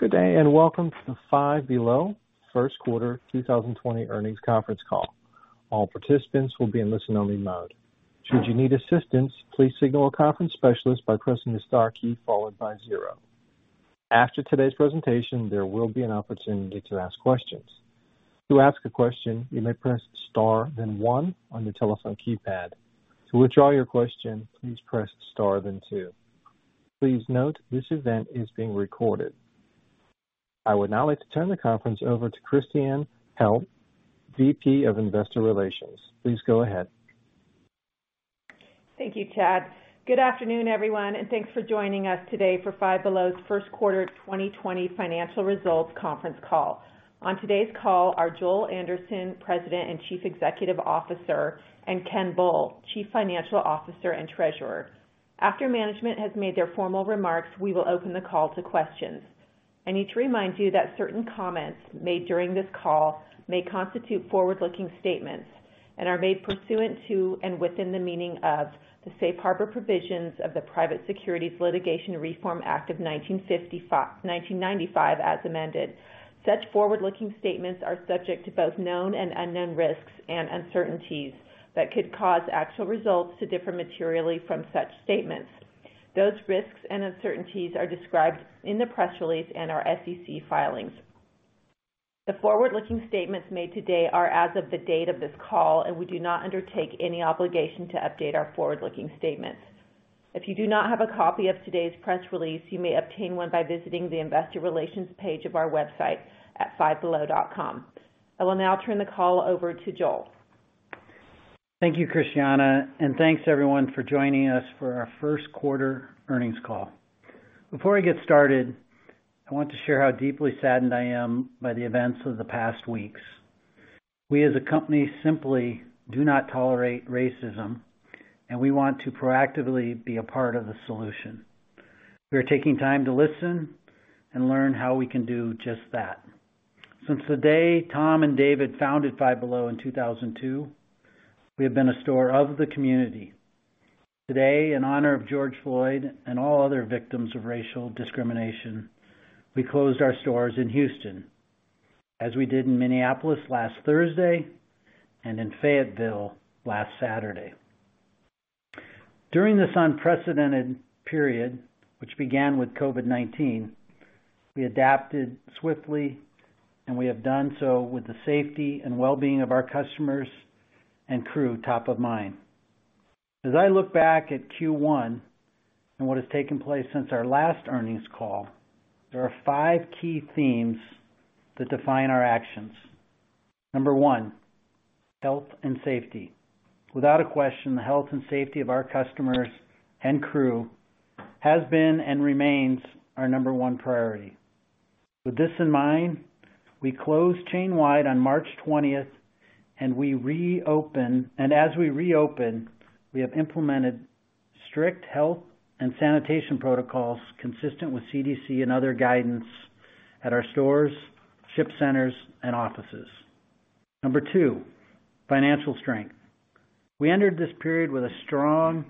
Good day and welcome Five Below first quarter 2020 Earnings Conference Call. All participants will be in listen-only mode. Should you need assistance, please signal a conference specialist by pressing the star key followed by zero. After today's presentation, there will be an opportunity to ask questions. To ask a question, you may press star, then one on the telephone keypad. To withdraw your question, please press star, then two. Please note this event is being recorded. I would now like to turn the conference over to Christiane Pelz, VP of Investor Relations. Please go ahead. Thank you, Chad. Good afternoon, everyone, and thanks for joining us Five Below's first quarter 2020 Financial Results Conference Call. On today's call are Joel Anderson, President and Chief Executive Officer, and Ken Bull, Chief Financial Officer and Treasurer. After management has made their formal remarks, we will open the call to questions. I need to remind you that certain comments made during this call may constitute forward-looking statements and are made pursuant to and within the meaning of the Safe Harbor Provisions of the Private Securities Litigation Reform Act of 1995, as amended. Such forward-looking statements are subject to both known and unknown risks and uncertainties that could cause actual results to differ materially from such statements. Those risks and uncertainties are described in the press release and our SEC filings. The forward-looking statements made today are as of the date of this call, and we do not undertake any obligation to update our forward-looking statements. If you do not have a copy of today's press release, you may obtain one by visiting the Investor Relations page of our website at fivebelow.com. I will now turn the call over to Joel. Thank you, Christiane, and thanks, everyone, for joining us for our First Quarter Earnings Call. Before I get started, I want to share how deeply saddened I am by the events of the past weeks. We, as a company, simply do not tolerate racism, and we want to proactively be a part of the solution. We are taking time to listen and learn how we can do just that. Since the day Tom and Five Below in 2002, we have been a store of the community. Today, in honor of George Floyd and all other victims of racial discrimination, we closed our stores in Houston, as we did in Minneapolis last Thursday, and in Fayetteville last Saturday. During this unprecedented period, which began with COVID-19, we adapted swiftly, and we have done so with the safety and well-being of our customers and crew top of mind. As I look back at Q1 and what has taken place since our last earnings call, there are five key themes that define our actions. Number one, health and safety. Without a question, the health and safety of our customers and crew has been and remains our number one priority. With this in mind, we closed chain-wide on March 20, and as we reopened, we have implemented strict health and sanitation protocols consistent with CDC and other guidance at our stores, ship centers, and offices. Number two, financial strength. We entered this period with a strong,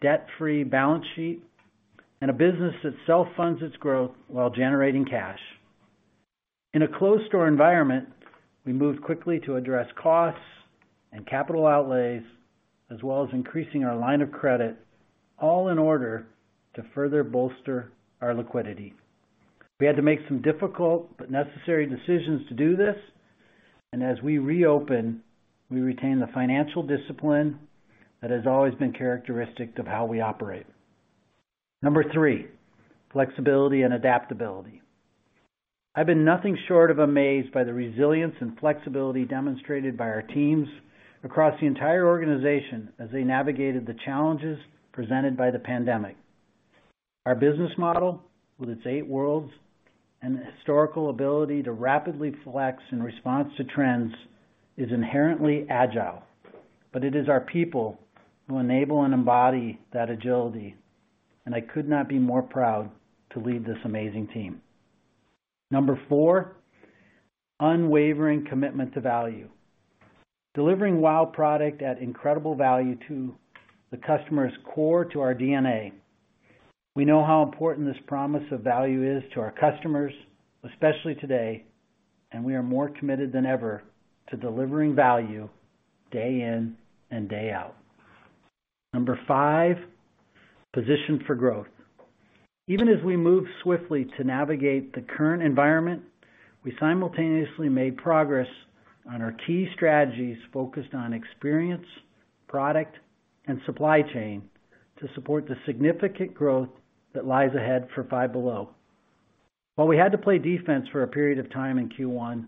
debt-free balance sheet and a business that self-funds its growth while generating cash. In a closed-store environment, we moved quickly to address costs and capital outlays, as well as increasing our line of credit, all in order to further bolster our liquidity. We had to make some difficult but necessary decisions to do this, and as we reopened, we retained the financial discipline that has always been characteristic of how we operate. Number three, flexibility and adaptability. I've been nothing short of amazed by the resilience and flexibility demonstrated by our teams across the entire organization as they navigated the challenges presented by the pandemic. Our business model, with its eight worlds and historical ability to rapidly flex in response to trends, is inherently agile, but it is our people who enable and embody that agility, and I could not be more proud to lead this amazing team. Number four, unwavering commitment to value. Delivering wow product at incredible value to the customer is core to our DNA. We know how important this promise of value is to our customers, especially today, and we are more committed than ever to delivering value day in and day out. Number five, position for growth. Even as we move swiftly to navigate the current environment, we simultaneously made progress on our key strategies focused on experience, product, and supply chain to support the significant growth that lies Five Below while we had to play defense for a period of time in Q1,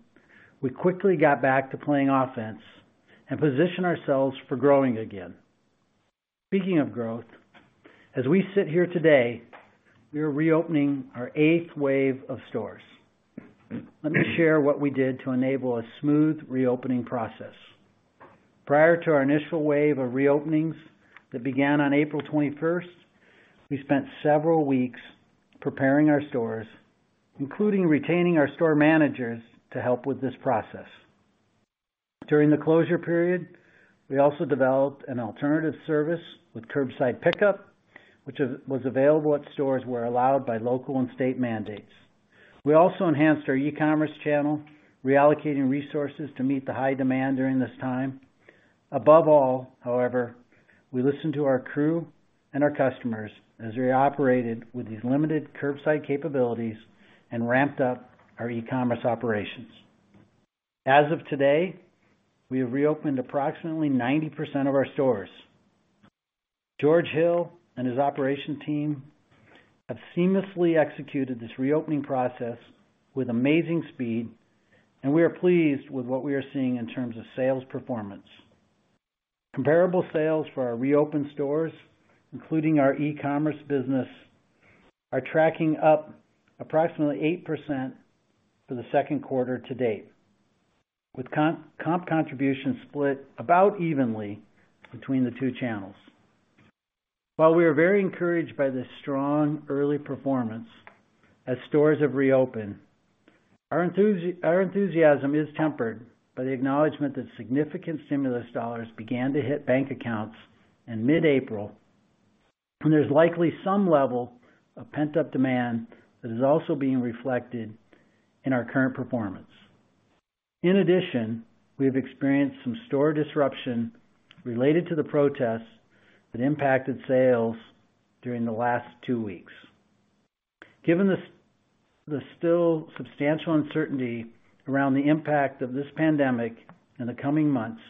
we quickly got back to playing offense and positioned ourselves for growing again. Speaking of growth, as we sit here today, we are reopening our eighth wave of stores. Let me share what we did to enable a smooth reopening process. Prior to our initial wave of reopenings that began on April 21st, we spent several weeks preparing our stores, including retaining our store managers to help with this process. During the closure period, we also developed an alternative service with curbside pickup, which was available at stores where allowed by local and state mandates. We also enhanced our e-commerce channel, reallocating resources to meet the high demand during this time. Above all, however, we listened to our crew and our customers as they operated with these limited curbside capabilities and ramped up our e-commerce operations. As of today, we have reopened approximately 90% of our stores. George Hill and his operations team have seamlessly executed this reopening process with amazing speed, and we are pleased with what we are seeing in terms of sales performance. Comparable sales for our reopened stores, including our e-commerce business, are tracking up approximately 8% for the second quarter to date, with comp contributions split about evenly between the two channels. While we are very encouraged by this strong early performance as stores have reopened, our enthusiasm is tempered by the acknowledgment that significant stimulus dollars began to hit bank accounts in mid-April, and there's likely some level of pent-up demand that is also being reflected in our current performance. In addition, we have experienced some store disruption related to the protests that impacted sales during the last two weeks. Given the still substantial uncertainty around the impact of this pandemic in the coming months,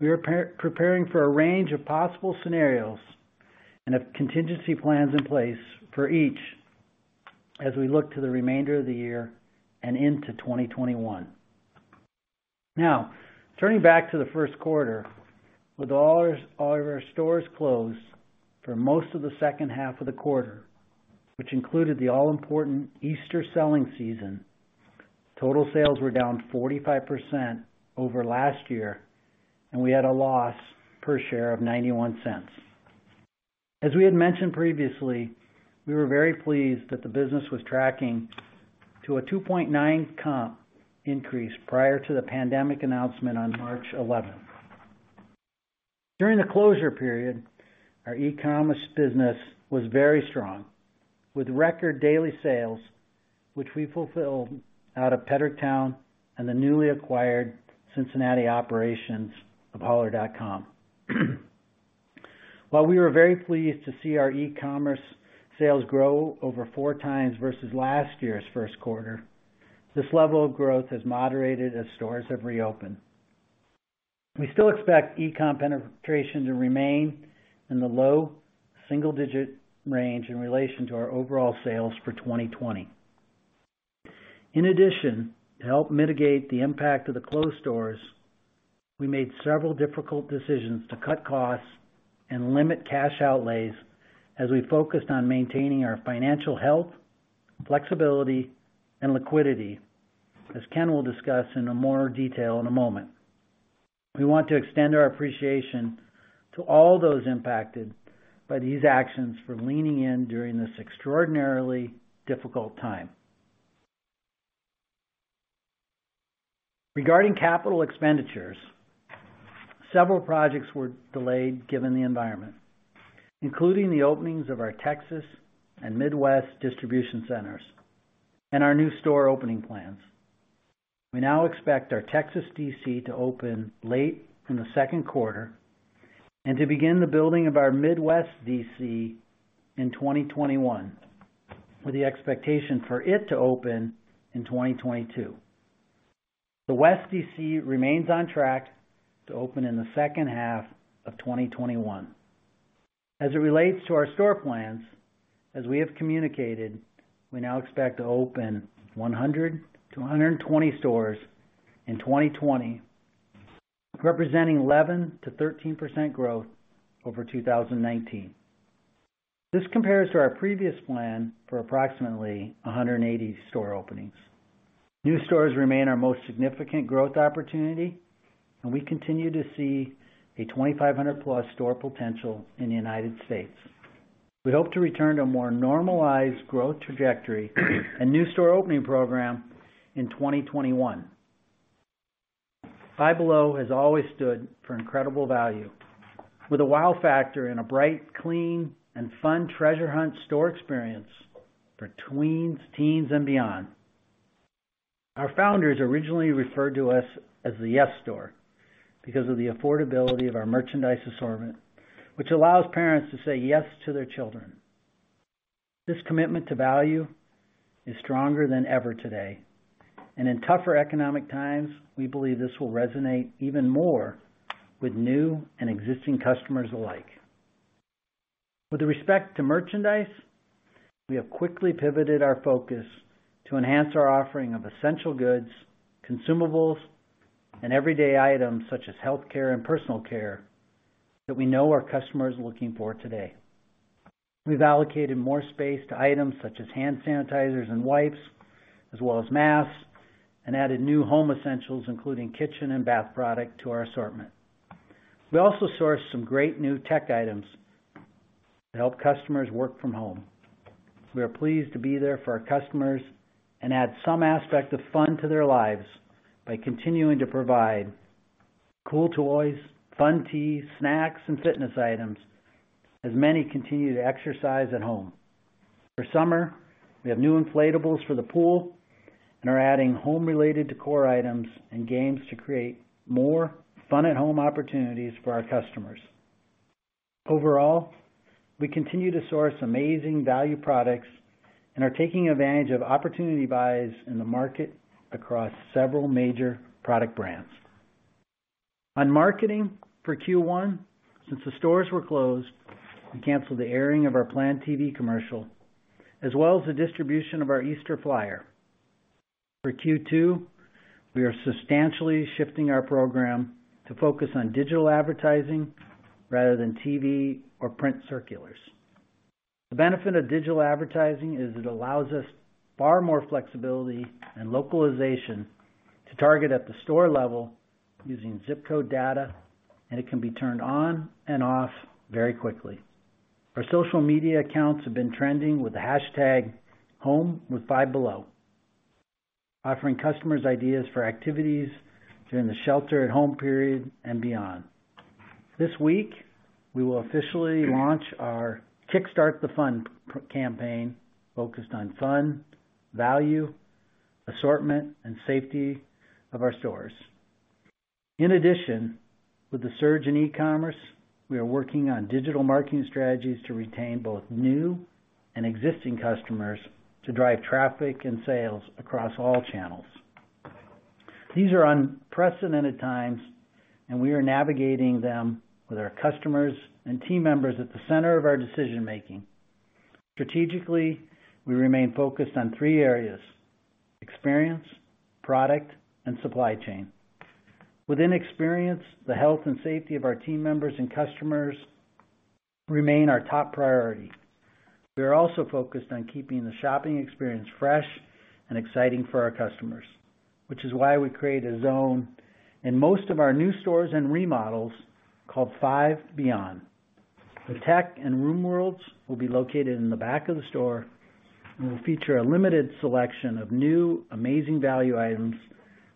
we are preparing for a range of possible scenarios and have contingency plans in place for each as we look to the remainder of the year and into 2021. Now, turning back to the first quarter, with all of our stores closed for most of the second half of the quarter, which included the all-important Easter selling season, total sales were down 45% over last year, and we had a loss per share of $0.91. As we had mentioned previously, we were very pleased that the business was tracking to a 2.9% comp increase prior to the pandemic announcement on March 11. During the closure period, our e-commerce business was very strong, with record daily sales, which we fulfilled out of Pedricktown and the newly acquired Cincinnati operations of holler.com. While we were very pleased to see our e-commerce sales grow over 4x versus last year's first quarter, this level of growth has moderated as stores have reopened. We still expect e-com penetration to remain in the low single-digit range in relation to our overall sales for 2020. In addition, to help mitigate the impact of the closed stores, we made several difficult decisions to cut costs and limit cash outlays as we focused on maintaining our financial health, flexibility, and liquidity, as Ken will discuss in more detail in a moment. We want to extend our appreciation to all those impacted by these actions for leaning in during this extraordinarily difficult time. Regarding capital expenditures, several projects were delayed given the environment, including the openings of our Texas and Midwest distribution centers and our new store opening plans. We now expect our Texas DC to open late in the second quarter and to begin the building of our Midwest DC in 2021, with the expectation for it to open in 2022. The West DC remains on track to open in the second half of 2021. As it relates to our store plans, as we have communicated, we now expect to open 100-120 stores in 2020, representing 11%-13% growth over 2019. This compares to our previous plan for approximately 180 store openings. New stores remain our most significant growth opportunity, and we continue to see a 2,500+ store potential in the United States. We hope to return to a more normalized growth trajectory and new store opening program Five Below has always stood for incredible value, with a wow factor and a bright, clean, and fun treasure hunt store experience for tweens, teens, and beyond. Our founders originally referred to us as the Yes Store because of the affordability of our merchandise assortment, which allows parents to say yes to their children. This commitment to value is stronger than ever today, and in tougher economic times, we believe this will resonate even more with new and existing customers alike. With respect to merchandise, we have quickly pivoted our focus to enhance our offering of essential goods, consumables, and everyday items such as healthcare and personal care that we know our customers are looking for today. We've allocated more space to items such as hand sanitizers and wipes, as well as masks, and added new home essentials, including kitchen and bath products, to our assortment. We also sourced some great new tech items to help customers work from home. We are pleased to be there for our customers and add some aspect of fun to their lives by continuing to provide cool toys, fun tea, snacks, and fitness items as many continue to exercise at home. For summer, we have new inflatables for the pool and are adding home-related decor items and games to create more fun-at-home opportunities for our customers. Overall, we continue to source amazing value products and are taking advantage of opportunity buys in the market across several major product brands. On marketing for Q1, since the stores were closed, we canceled the airing of our planned TV commercial, as well as the distribution of our Easter flyer. For Q2, we are substantially shifting our program to focus on digital advertising rather than TV or print circulars. The benefit of digital advertising is it allows us far more flexibility and localization to target at the store level using zip code data, and it can be turned on and off very quickly. Our social media accounts have been trending with the hashtag #HomeWithFiveBelow, offering customers ideas for activities during the shelter-at-home period and beyond. This week, we will officially launch our Kickstart the Fun campaign focused on fun, value, assortment, and safety of our stores. In addition, with the surge in e-commerce, we are working on digital marketing strategies to retain both new and existing customers to drive traffic and sales across all channels. These are unprecedented times, and we are navigating them with our customers and team members at the center of our decision-making. Strategically, we remain focused on three areas: experience, product, and supply chain. Within experience, the health and safety of our team members and customers remain our top priority. We are also focused on keeping the shopping experience fresh and exciting for our customers, which is why we created a zone in most of our new stores and remodels called Five Beyond. The tech and room worlds will be located in the back of the store and will feature a limited selection of new, amazing value items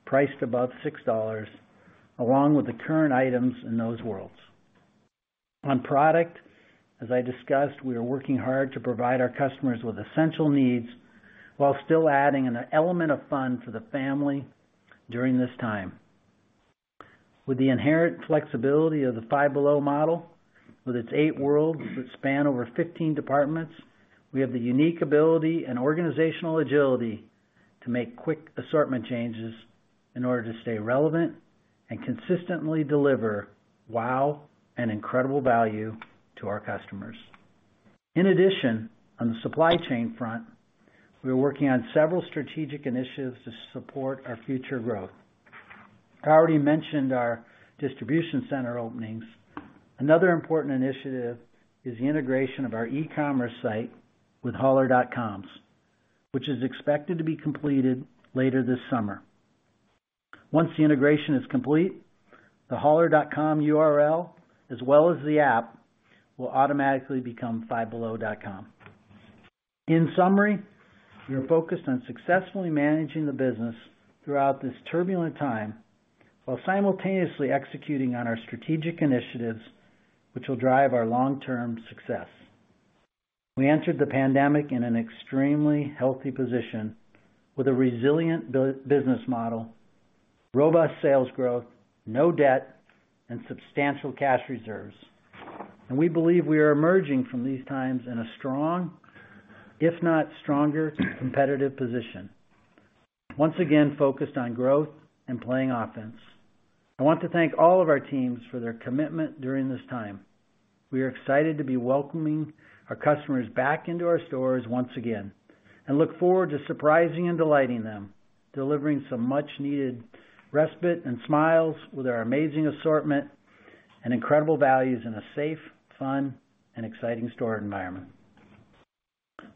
priced above $6, along with the current items in those worlds. On product, as I discussed, we are working hard to provide our customers with essential needs while still adding an element of fun for the family during this time. With the inherent flexibility Five Below model, with its eight worlds that span over 15 departments, we have the unique ability and organizational agility to make quick assortment changes in order to stay relevant and consistently deliver wow and incredible value to our customers. In addition, on the supply chain front, we are working on several strategic initiatives to support our future growth. I already mentioned our distribution center openings. Another important initiative is the integration of our e-commerce site with holler.com, which is expected to be completed later this summer. Once the integration is complete, the holler.com URL, as well as the app, will automatically become FiveBelow.com. In summary, we are focused on successfully managing the business throughout this turbulent time while simultaneously executing on our strategic initiatives, which will drive our long-term success. We entered the pandemic in an extremely healthy position with a resilient business model, robust sales growth, no debt, and substantial cash reserves, and we believe we are emerging from these times in a strong, if not stronger, competitive position, once again focused on growth and playing offense. I want to thank all of our teams for their commitment during this time. We are excited to be welcoming our customers back into our stores once again and look forward to surprising and delighting them, delivering some much-needed respite and smiles with our amazing assortment and incredible values in a safe, fun, and exciting store environment.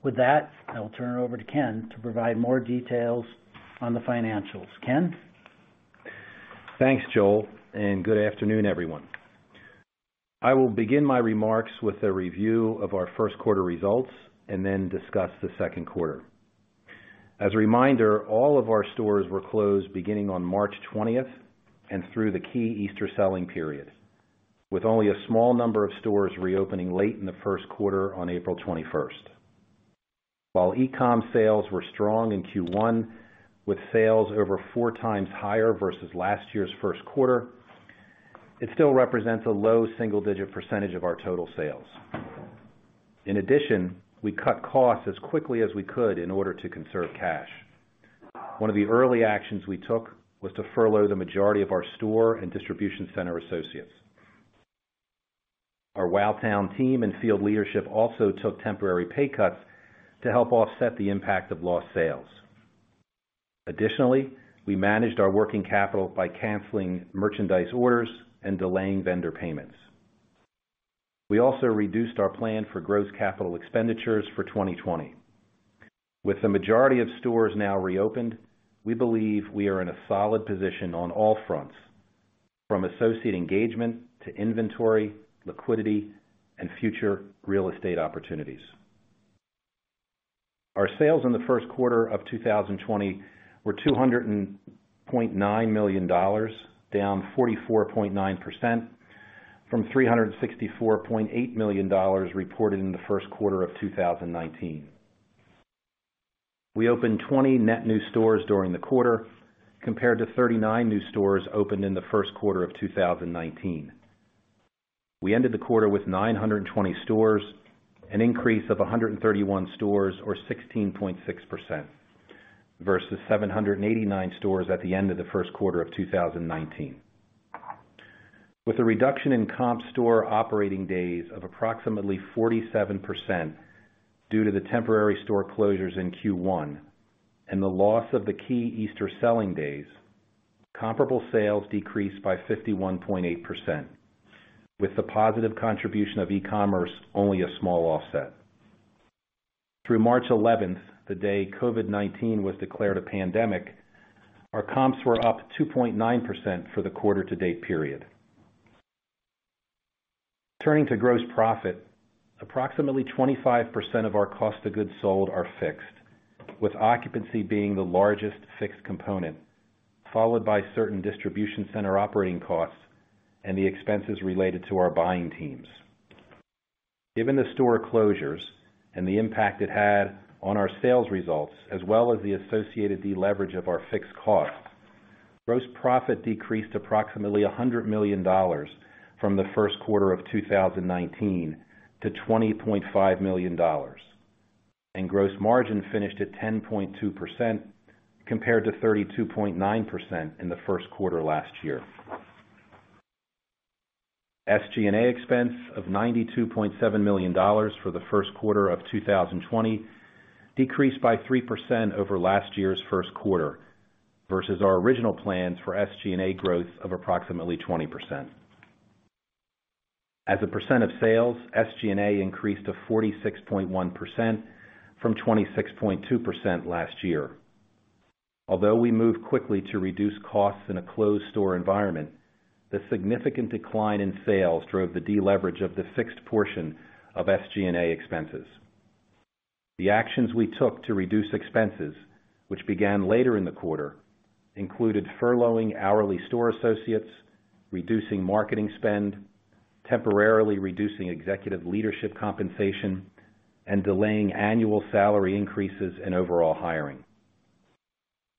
With that, I will turn it over to Ken to provide more details on the financials. Ken? Thanks, Joel, and good afternoon, everyone. I will begin my remarks with a review of our first quarter results and then discuss the second quarter. As a reminder, all of our stores were closed beginning on March 20th and through the key Easter selling period, with only a small number of stores reopening late in the first quarter on April 21st. While e-com sales were strong in Q1, with sales over 4x higher versus last year's first quarter, it still represents a low single-digit percentage of our total sales. In addition, we cut costs as quickly as we could in order to conserve cash. One of the early actions we took was to furlough the majority of our store and distribution center associates. Our WowTown team and field leadership also took temporary pay cuts to help offset the impact of lost sales. Additionally, we managed our working capital by canceling merchandise orders and delaying vendor payments. We also reduced our plan for gross capital expenditures for 2020. With the majority of stores now reopened, we believe we are in a solid position on all fronts, from associate engagement to inventory, liquidity, and future real estate opportunities. Our sales in the first quarter of 2020 were $200.9 million, down 44.9% from $364.8 million reported in the first quarter of 2019. We opened 20 net new stores during the quarter, compared to 39 new stores opened in the first quarter of 2019. We ended the quarter with 920 stores, an increase of 131 stores or 16.6% versus 789 stores at the end of the first quarter of 2019. With a reduction in comp store operating days of approximately 47% due to the temporary store closures in Q1 and the loss of the key Easter selling days, comparable sales decreased by 51.8%, with the positive contribution of e-commerce only a small offset. Through March 11, the day COVID-19 was declared a pandemic, our comps were up 2.9% for the quarter-to-date period. Turning to gross profit, approximately 25% of our cost of goods sold are fixed, with occupancy being the largest fixed component, followed by certain distribution center operating costs and the expenses related to our buying teams. Given the store closures and the impact it had on our sales results, as well as the associated deleverage of our fixed costs, gross profit decreased approximately $100 million from the first quarter of 2019 to $20.5 million, and gross margin finished at 10.2% compared to 32.9% in the first quarter last year. SG&A expense of $92.7 million for the first quarter of 2020 decreased by 3% over last year's first quarter versus our original plans for SG&A growth of approximately 20%. As a percent of sales, SG&A increased to 46.1% from 26.2% last year. Although we moved quickly to reduce costs in a closed store environment, the significant decline in sales drove the deleverage of the fixed portion of SG&A expenses. The actions we took to reduce expenses, which began later in the quarter, included furloughing hourly store associates, reducing marketing spend, temporarily reducing executive leadership compensation, and delaying annual salary increases and overall hiring.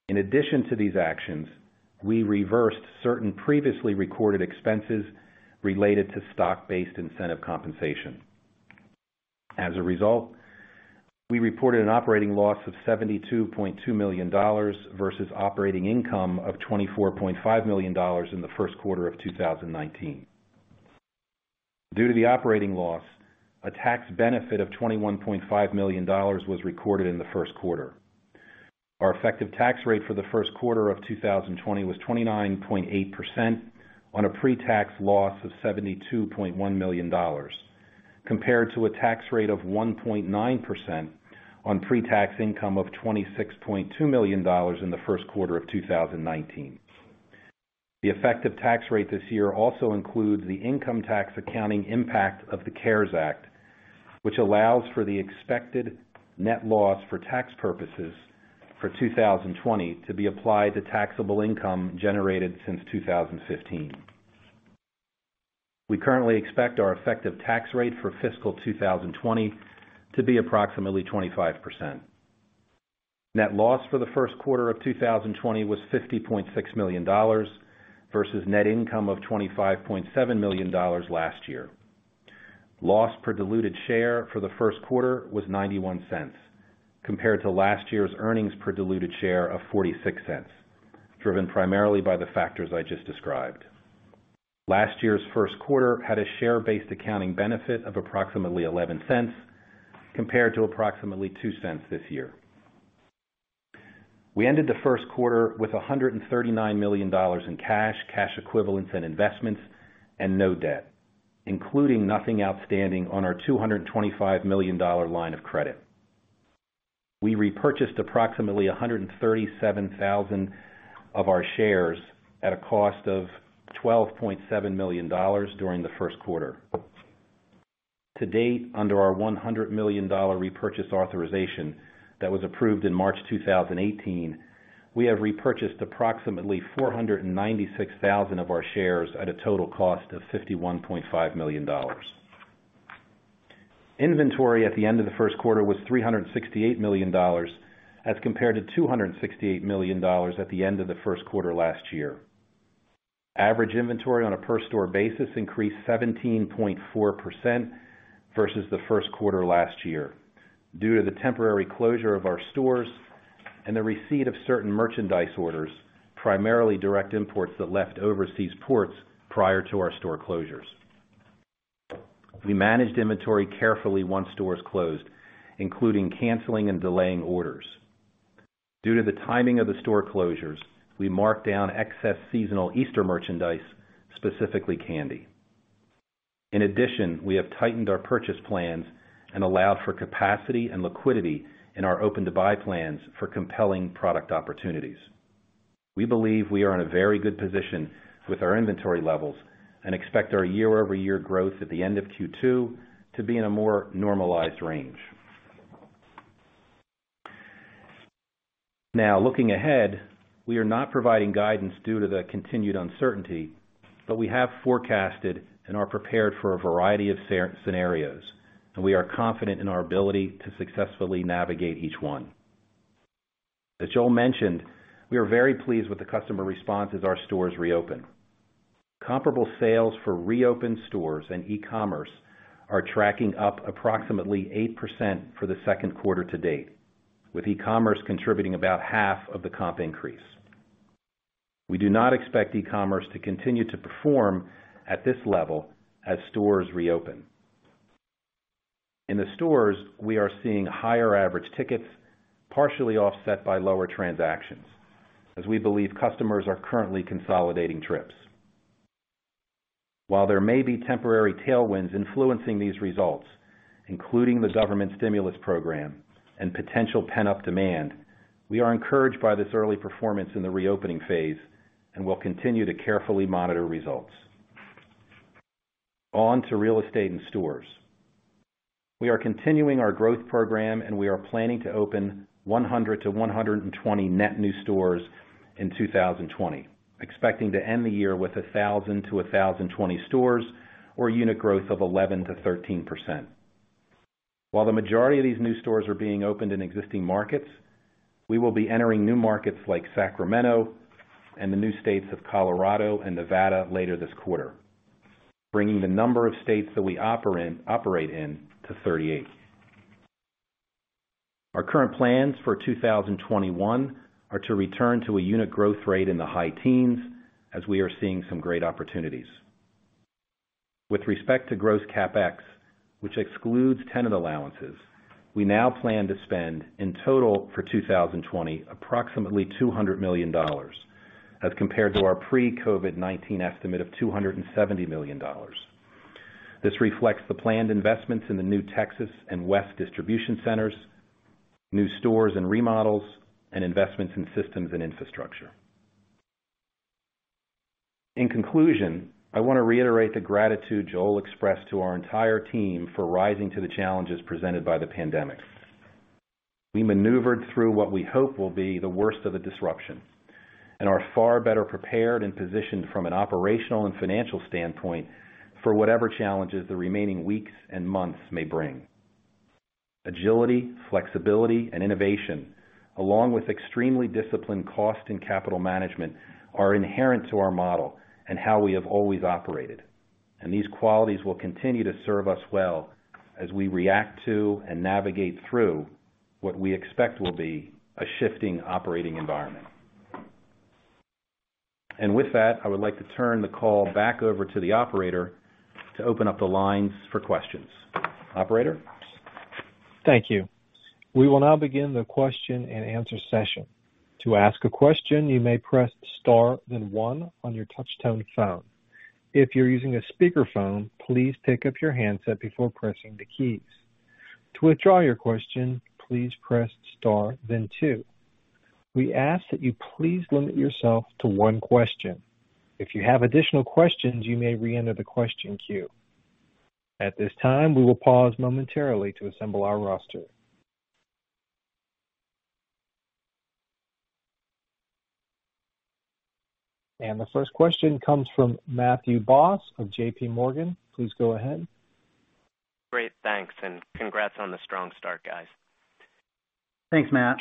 In addition to these actions, we reversed certain previously recorded expenses related to stock-based incentive compensation. As a result, we reported an operating loss of $72.2 million versus operating income of $24.5 million in the first quarter of 2019. Due to the operating loss, a tax benefit of $21.5 million was recorded in the first quarter. Our effective tax rate for the first quarter of 2020 was 29.8% on a pre-tax loss of $72.1 million, compared to a tax rate of 1.9% on pre-tax income of $26.2 million in the first quarter of 2019. The effective tax rate this year also includes the income tax accounting impact of the CARES Act, which allows for the expected net loss for tax purposes for 2020 to be applied to taxable income generated since 2015. We currently expect our effective tax rate for fiscal 2020 to be approximately 25%. Net loss for the first quarter of 2020 was $50.6 million versus net income of $25.7 million last year. Loss per diluted share for the first quarter was $0.91, compared to last year's earnings per diluted share of $0.46, driven primarily by the factors I just described. Last year's first quarter had a share-based accounting benefit of approximately $0.11, compared to approximately $0.02 this year. We ended the first quarter with $139 million in cash, cash equivalents, and investments, and no debt, including nothing outstanding on our $225 million line of credit. We repurchased approximately 137,000 of our shares at a cost of $12.7 million during the first quarter. To date, under our $100 million repurchase authorization that was approved in March 2018, we have repurchased approximately 496,000 of our shares at a total cost of $51.5 million. Inventory at the end of the first quarter was $368 million, as compared to $268 million at the end of the first quarter last year. Average inventory on a per-store basis increased 17.4% versus the first quarter last year due to the temporary closure of our stores and the receipt of certain merchandise orders, primarily direct imports that left overseas ports prior to our store closures. We managed inventory carefully once stores closed, including canceling and delaying orders. Due to the timing of the store closures, we marked down excess seasonal Easter merchandise, specifically candy. In addition, we have tightened our purchase plans and allowed for capacity and liquidity in our open-to-buy plans for compelling product opportunities. We believe we are in a very good position with our inventory levels and expect our year-over-year growth at the end of Q2 to be in a more normalized range. Now, looking ahead, we are not providing guidance due to the continued uncertainty, but we have forecasted and are prepared for a variety of scenarios, and we are confident in our ability to successfully navigate each one. As Joel mentioned, we are very pleased with the customer responses our stores reopened. Comparable sales for reopened stores and e-commerce are tracking up approximately 8% for the second quarter to date, with e-commerce contributing about half of the comp increase. We do not expect e-commerce to continue to perform at this level as stores reopen. In the stores, we are seeing higher average tickets, partially offset by lower transactions, as we believe customers are currently consolidating trips. While there may be temporary tailwinds influencing these results, including the government stimulus program and potential pent-up demand, we are encouraged by this early performance in the reopening phase and will continue to carefully monitor results. On to real estate and stores. We are continuing our growth program, and we are planning to open 100-120 net new stores in 2020, expecting to end the year with 1,000 stores-1,020 stores or unit growth of 11%-13%. While the majority of these new stores are being opened in existing markets, we will be entering new markets like Sacramento and the new states of Colorado and Nevada later this quarter, bringing the number of states that we operate in to 38. Our current plans for 2021 are to return to a unit growth rate in the high teens, as we are seeing some great opportunities. With respect to gross CapEx, which excludes tenant allowances, we now plan to spend in total for 2020 approximately $200 million, as compared to our pre-COVID-19 estimate of $270 million. This reflects the planned investments in the new Texas and West distribution centers, new stores and remodels, and investments in systems and infrastructure. In conclusion, I want to reiterate the gratitude Joel expressed to our entire team for rising to the challenges presented by the pandemic. We maneuvered through what we hope will be the worst of the disruption and are far better prepared and positioned from an operational and financial standpoint for whatever challenges the remaining weeks and months may bring. Agility, flexibility, and innovation, along with extremely disciplined cost and capital management, are inherent to our model and how we have always operated, and these qualities will continue to serve us well as we react to and navigate through what we expect will be a shifting operating environment. With that, I would like to turn the call back over to the operator to open up the lines for questions. Operator? Thank you. We will now begin the question and answer session. To ask a question, you may press star, then one on your touch-tone phone. If you're using a speakerphone, please pick up your handset before pressing the keys. To withdraw your question, please press star, then two. We ask that you please limit yourself to one question. If you have additional questions, you may re-enter the question queue. At this time, we will pause momentarily to assemble our roster. The first question comes from Matthew Boss of JPMorgan. Please go ahead. Great. Thanks. Congrats on the strong start, guys. Thanks, Matt.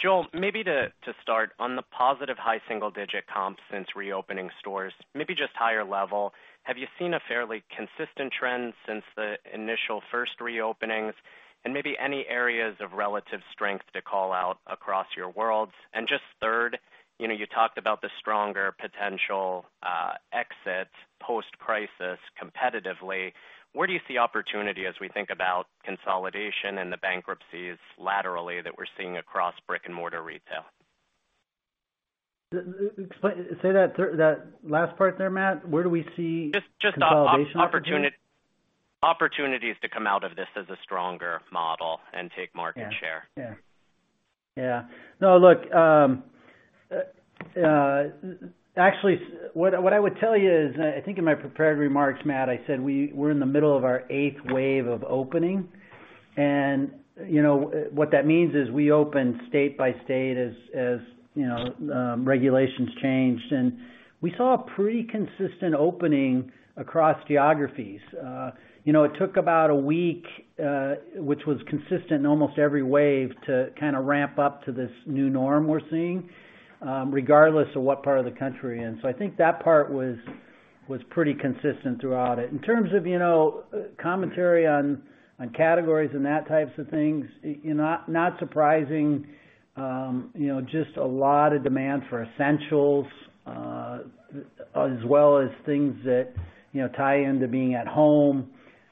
Joel, maybe to start, on the positive high single-digit comp since reopening stores, maybe just higher level, have you seen a fairly consistent trend since the initial first reopenings? Maybe any areas of relative strength to call out across your worlds? Just third, you talked about the stronger potential exit post-crisis competitively. Where do you see opportunity as we think about consolidation and the bankruptcies laterally that we're seeing across brick-and-mortar retail? Say that last part there, Matt. Where do we see consolidation? Just opportunities to come out of this as a stronger model and take market share [crosstalk[. Yeah. Yeah. Yeah. No, look, actually, what I would tell you is, I think in my prepared remarks, Matt, I said we're in the middle of our eighth wave of opening. What that means is we open state by state as regulations changed, and we saw a pretty consistent opening across geographies. It took about a week, which was consistent in almost every wave, to kind of ramp up to this new norm we're seeing, regardless of what part of the country we're in. I think that part was pretty consistent throughout it. In terms of commentary on categories and that types of things, not surprising, just a lot of demand for essentials as well as things that tie into being at home.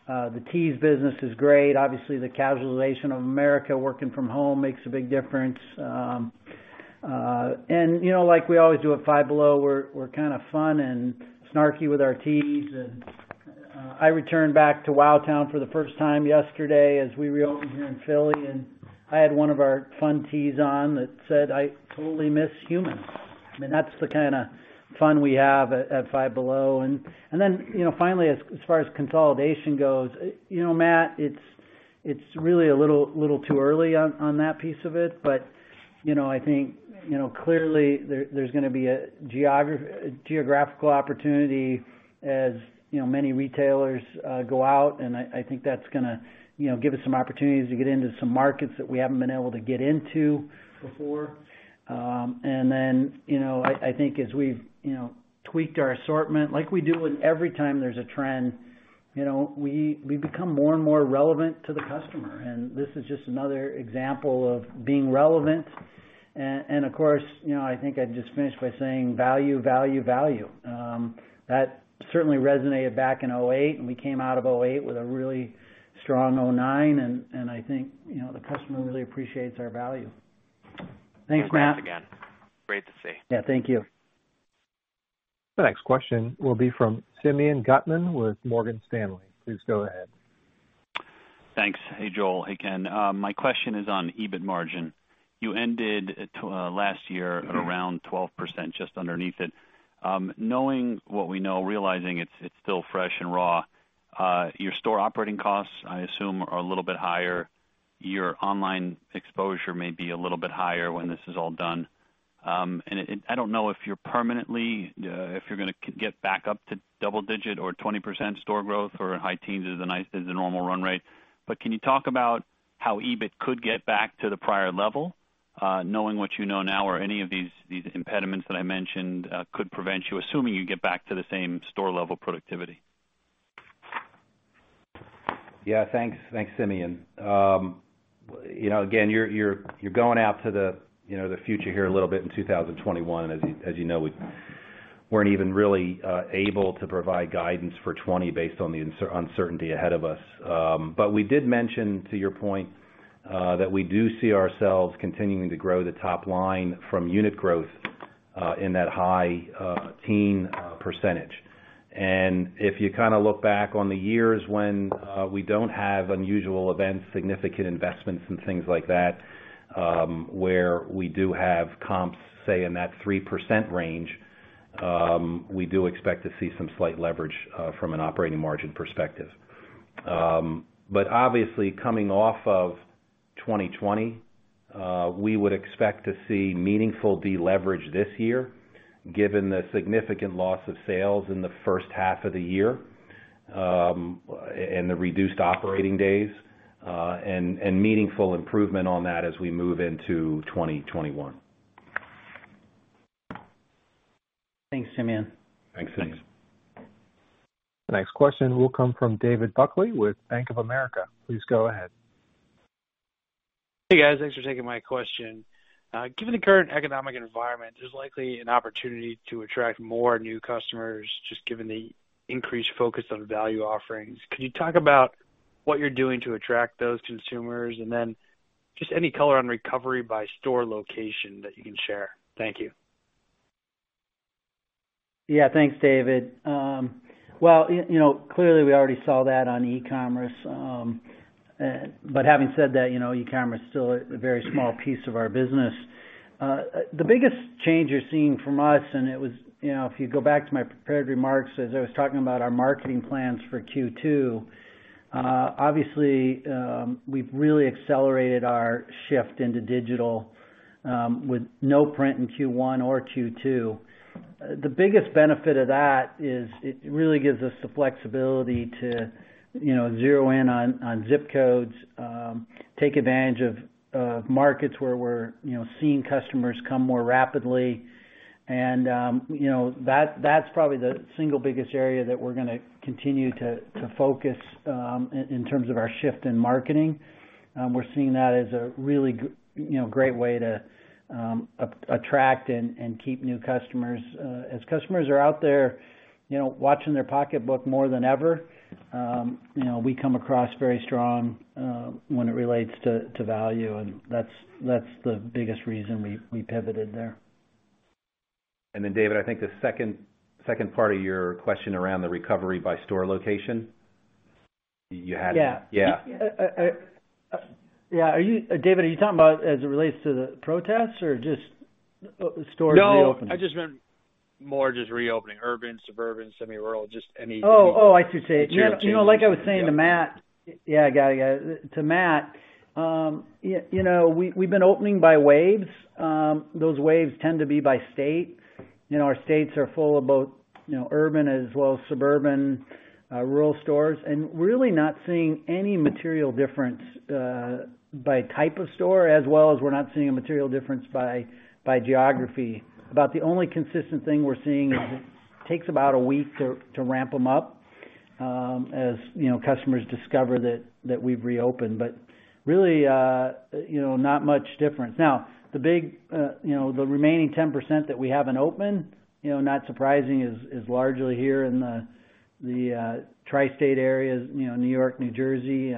The teas business is great. Obviously, the casualization of America working from home makes a big difference. Like we always Five Below, we're kind of fun and snarky with our teas. I returned back to WowTown for the first time yesterday as we reopened here in Philly, and I had one of our fun teas on that said, "I totally miss humans." I mean, that's the kind of fun we Five Below. finally, as far as consolidation goes, Matt, it's really a little too early on that piece of it, but I think clearly there's going to be a geographical opportunity as many retailers go out, and I think that's going to give us some opportunities to get into some markets that we haven't been able to get into before. I think as we've tweaked our assortment, like we do every time there's a trend, we become more and more relevant to the customer. This is just another example of being relevant. Of course, I think I'd just finish by saying, "Value, value, value." That certainly resonated back in 2008, and we came out of 2008 with a really strong 2009, and I think the customer really appreciates our value. Thanks, Matt. Thanks again. Great to see. Yeah. Thank you. The next question will be from Simeon Gutman with Morgan Stanley. Please go ahead. Thanks. Hey, Joel. Hey, Ken. My question is on EBIT margin. You ended last year at around 12%, just underneath it. Knowing what we know, realizing it's still fresh and raw, your store operating costs, I assume, are a little bit higher. Your online exposure may be a little bit higher when this is all done. I don't know if you're permanently, if you're going to get back up to double-digit or 20% store growth or high teens is a normal run rate, but can you talk about how EBIT could get back to the prior level, knowing what you know now, or any of these impediments that I mentioned could prevent you, assuming you get back to the same store-level productivity? Yeah. Thanks, Simeon. Again, you're going out to the future here a little bit in 2021, and as you know, we weren't even really able to provide guidance for 2020 based on the uncertainty ahead of us. But we did mention, to your point, that we do see ourselves continuing to grow the top line from unit growth in that high teen percentage. And if you kind of look back on the years when we don't have unusual events, significant investments, and things like that, where we do have comps, say, in that 3% range, we do expect to see some slight leverage from an operating margin perspective. Obviously, coming off of 2020, we would expect to see meaningful deleverage this year, given the significant loss of sales in the first half of the year and the reduced operating days, and meaningful improvement on that as we move into 2021. Thanks, Simeon. Thanks, Simeon. The next question will come from David Buckley with Bank of America. Please go ahead. Hey, guys. Thanks for taking my question. Given the current economic environment, there's likely an opportunity to attract more new customers, just given the increased focus on value offerings. Could you talk about what you're doing to attract those consumers? Any color on recovery by store location that you can share? Thank you. Yeah. Thanks, David. Clearly, we already saw that on e-commerce. Having said that, e-commerce is still a very small piece of our business. The biggest change you're seeing from us, and it was if you go back to my prepared remarks as I was talking about our marketing plans for Q2, obviously, we've really accelerated our shift into digital with no print in Q1 or Q2. The biggest benefit of that is it really gives us the flexibility to zero in on zip codes, take advantage of markets where we're seeing customers come more rapidly. That's probably the single biggest area that we're going to continue to focus in terms of our shift in marketing. We're seeing that as a really great way to attract and keep new customers. As customers are out there watching their pocketbook more than ever, we come across very strong when it relates to value, and that's the biggest reason we pivoted there. David, I think the second part of your question around the recovery by store location, you had. Yeah. Yeah. David, are you talking about as it relates to the protests or just stores reopening? No. I just meant more just reopening: urban, suburban, semi-rural, just any. Oh, I should say. Like I was saying to Matt, yeah, I got it. To Matt, we've been opening by waves. Those waves tend to be by state. Our states are full of both urban as well as suburban rural stores, and we're really not seeing any material difference by type of store, as well as we're not seeing a material difference by geography. About the only consistent thing we're seeing is it takes about a week to ramp them up as customers discover that we've reopened, but really not much difference. Now, the remaining 10% that we have in open, not surprising, is largely here in the tri-state areas, New York, New Jersey.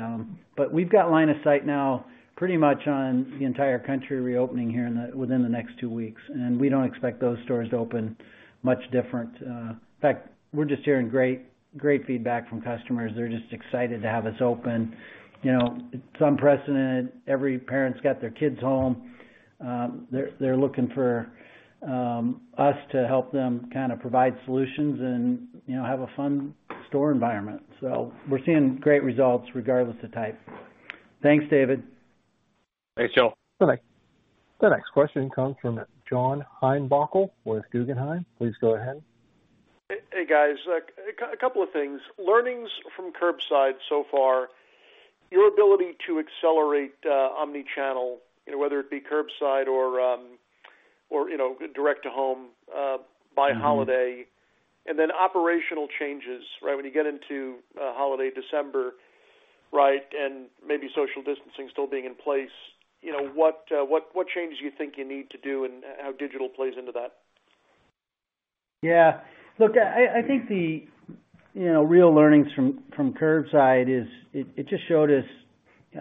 We've got line of sight now pretty much on the entire country reopening here within the next two weeks, and we don't expect those stores to open much different. In fact, we're just hearing great feedback from customers. They're just excited to have us open. It's unprecedented. Every parent's got their kids home. They're looking for us to help them kind of provide solutions and have a fun store environment. We're seeing great results regardless of type. Thanks, David. Thanks, Joel. Bye-bye. The next question comes from John Heinbockel with Guggenheim. Please go ahead. Hey, guys. A couple of things. Learnings from curbside so far, your ability to accelerate omnichannel, whether it be curbside or direct-to-home by holiday, and then operational changes, right, when you get into holiday December, right, and maybe social distancing still being in place, what changes do you think you need to do and how digital plays into that? Yeah. Look, I think the real learnings from curbside is it just showed us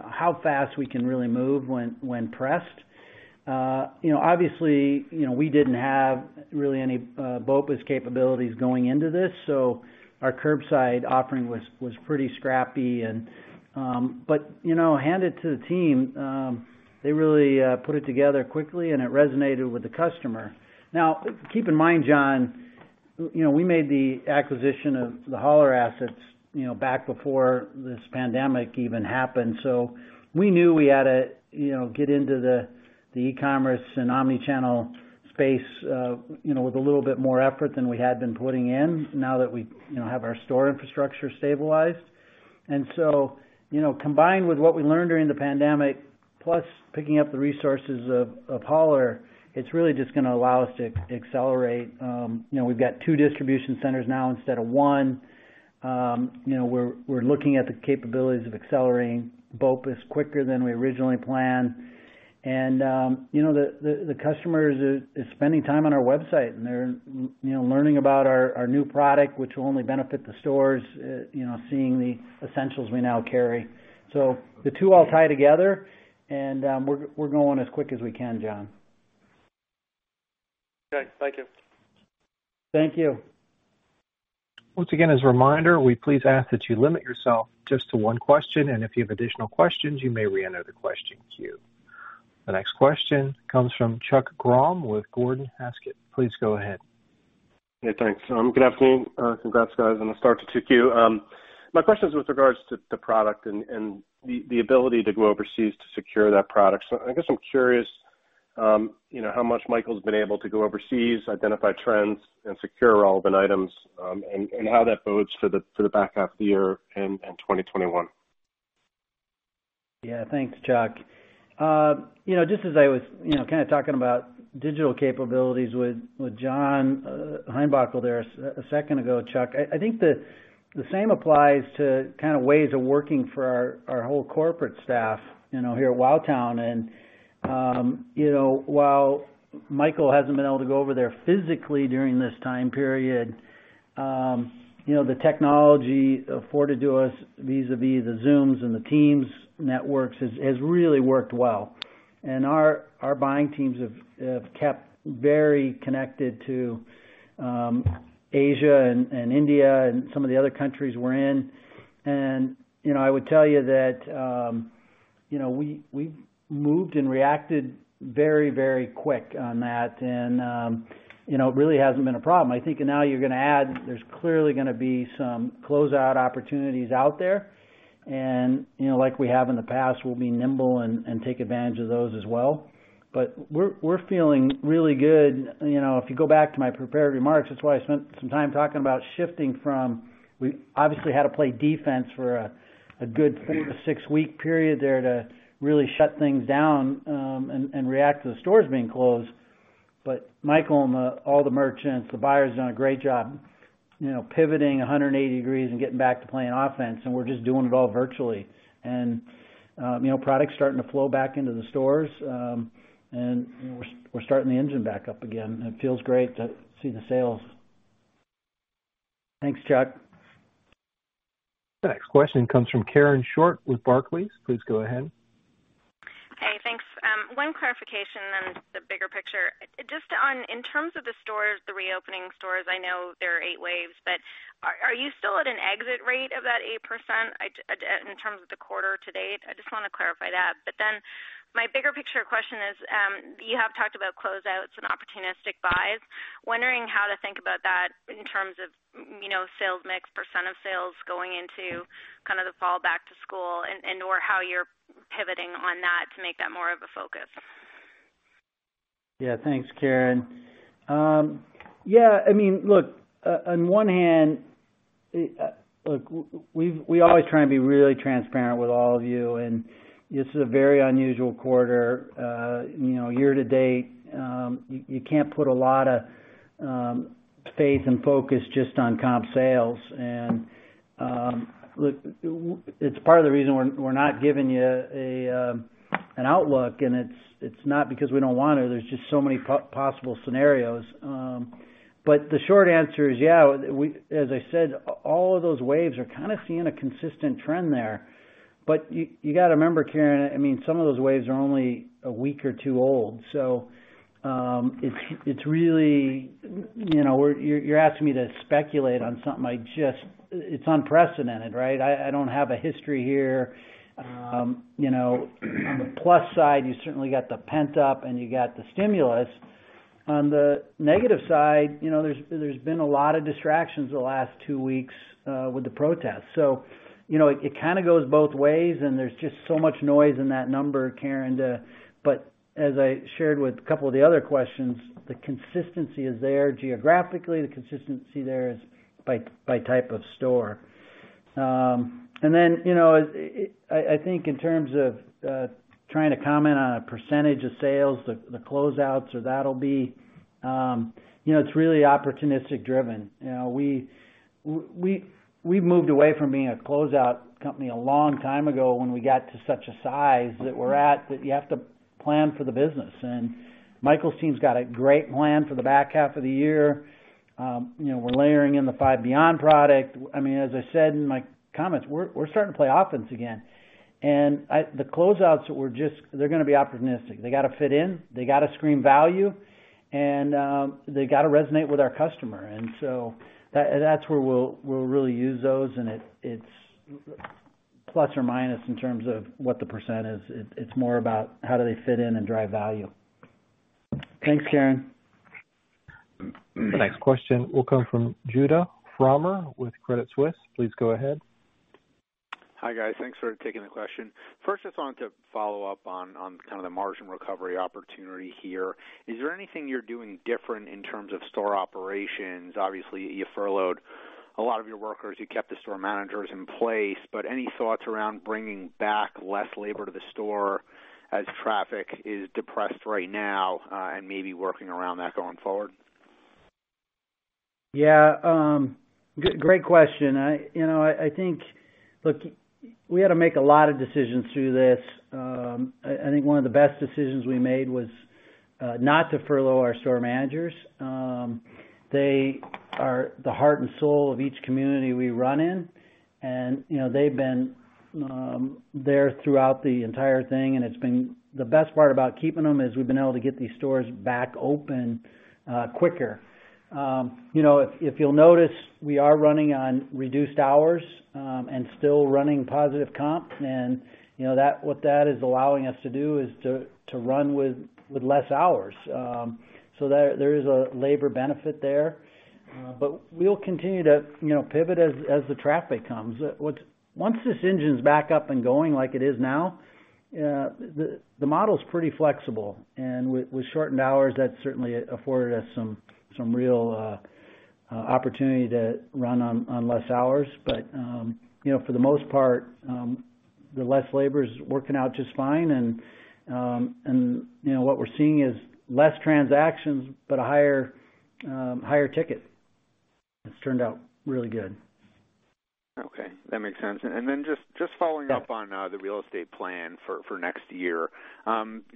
how fast we can really move when pressed. Obviously, we did not have really any BOPUS capabilities going into this, so our curbside offering was pretty scrappy. But handed to the team, they really put it together quickly, and it resonated with the customer. Now, keep in mind, John, we made the acquisition of the Holler assets back before this pandemic even happened, so we knew we had to get into the e-commerce and omnichannel space with a little bit more effort than we had been putting in now that we have our store infrastructure stabilized. And so combined with what we learned during the pandemic, plus picking up the resources of Holler, it is really just going to allow us to accelerate. We have got two distribution centers now instead of one. We're looking at the capabilities of accelerating BOPUS quicker than we originally planned. The customers are spending time on our website, and they're learning about our new product, which will only benefit the stores, seeing the essentials we now carry. The two all tie together, and we're going as quick as we can, John. Okay. Thank you. Thank you. Once again, as a reminder, we please ask that you limit yourself just to one question, and if you have additional questions, you may re-enter the question queue. The next question comes from Chuck Grom with Gordon Haskett. Please go ahead. Hey, thanks. Good afternoon. Congrats, guys. I'll start to check you. My question is with regards to the product and the ability to go overseas to secure that product. I guess I'm curious how much Michael's been able to go overseas, identify trends, and secure relevant items, and how that bodes for the back half of the year and 2021. Yeah. Thanks, Chuck. Just as I was kind of talking about digital capabilities with John Heinbockel there a second ago, Chuck, I think the same applies to kind of ways of working for our whole corporate staff here at WowTown. While Michael hasn't been able to go over there physically during this time period, the technology afforded to us vis-à-vis the Zoom and the Teams networks has really worked well. Our buying teams have kept very connected to Asia and India and some of the other countries we're in. I would tell you that we've moved and reacted very, very quick on that, and it really hasn't been a problem. I think now you're going to add there's clearly going to be some closeout opportunities out there. Like we have in the past, we'll be nimble and take advantage of those as well. We're feeling really good. If you go back to my prepared remarks, that's why I spent some time talking about shifting from we obviously had to play defense for a good four-six week period there to really shut things down and react to the stores being closed. Michael and all the merchants, the buyers have done a great job pivoting 180 degrees and getting back to playing offense, and we're just doing it all virtually. Product's starting to flow back into the stores, and we're starting the engine back up again. It feels great to see the sales. Thanks, Chuck. The next question comes from Karen Short with Barclays. Please go ahead. Hey, thanks. One clarification on the bigger picture. Just in terms of the stores, the reopening stores, I know there are eight waves, but are you still at an exit rate of that 8% in terms of the quarter to date? I just want to clarify that. My bigger picture question is you have talked about closeouts and opportunistic buys. Wondering how to think about that in terms of sales mix, percent of sales going into kind of the fall back to school, and/or how you're pivoting on that to make that more of a focus. Yeah. Thanks, Karen. Yeah. I mean, look, on one hand, look, we always try and be really transparent with all of you, and this is a very unusual quarter. Year to date, you cannot put a lot of faith and focus just on comp sales. It is part of the reason we are not giving you an outlook, and it is not because we do not want to. There are just so many possible scenarios. The short answer is, yeah, as I said, all of those waves are kind of seeing a consistent trend there. You have to remember, Karen, I mean, some of those waves are only a week or two old. It is really you are asking me to speculate on something like just it is unprecedented, right? I do not have a history here. On the plus side, you certainly have the pent-up, and you have the stimulus. On the negative side, there's been a lot of distractions the last two weeks with the protests. It kind of goes both ways, and there's just so much noise in that number, Karen. As I shared with a couple of the other questions, the consistency is there geographically. The consistency there is by type of store. I think in terms of trying to comment on a percentage of sales, the closeouts or that'll be, it's really opportunistic-driven. We've moved away from being a closeout company a long time ago when we got to such a size that we're at that you have to plan for the business. Michael's team's got a great plan for the back half of the year. We're layering in the Five Beyond product. I mean, as I said in my comments, we're starting to play offense again. The closeouts that we're just they're going to be opportunistic. They got to fit in. They got to scream value, and they got to resonate with our customer. That's where we'll really use those, and it's plus or minus in terms of what the percentage is. It's more about how do they fit in and drive value. Thanks, Karen. The next question will come from Judah Frommer with Credit Suisse. Please go ahead. Hi, guys. Thanks for taking the question. First, I just wanted to follow up on kind of the margin recovery opportunity here. Is there anything you're doing different in terms of store operations? Obviously, you furloughed a lot of your workers. You kept the store managers in place. Any thoughts around bringing back less labor to the store as traffic is depressed right now and maybe working around that going forward? Yeah. Great question. I think, look, we had to make a lot of decisions through this. I think one of the best decisions we made was not to furlough our store managers. They are the heart and soul of each community we run in, and they've been there throughout the entire thing. The best part about keeping them is we've been able to get these stores back open quicker. If you'll notice, we are running on reduced hours and still running positive comp. What that is allowing us to do is to run with less hours. There is a labor benefit there. We'll continue to pivot as the traffic comes. Once this engine's back up and going like it is now, the model's pretty flexible. With shortened hours, that's certainly afforded us some real opportunity to run on less hours. For the most part, the less labor's working out just fine. What we're seeing is less transactions but a higher ticket. It's turned out really good. Okay. That makes sense. Then just following up on the real estate plan for next year,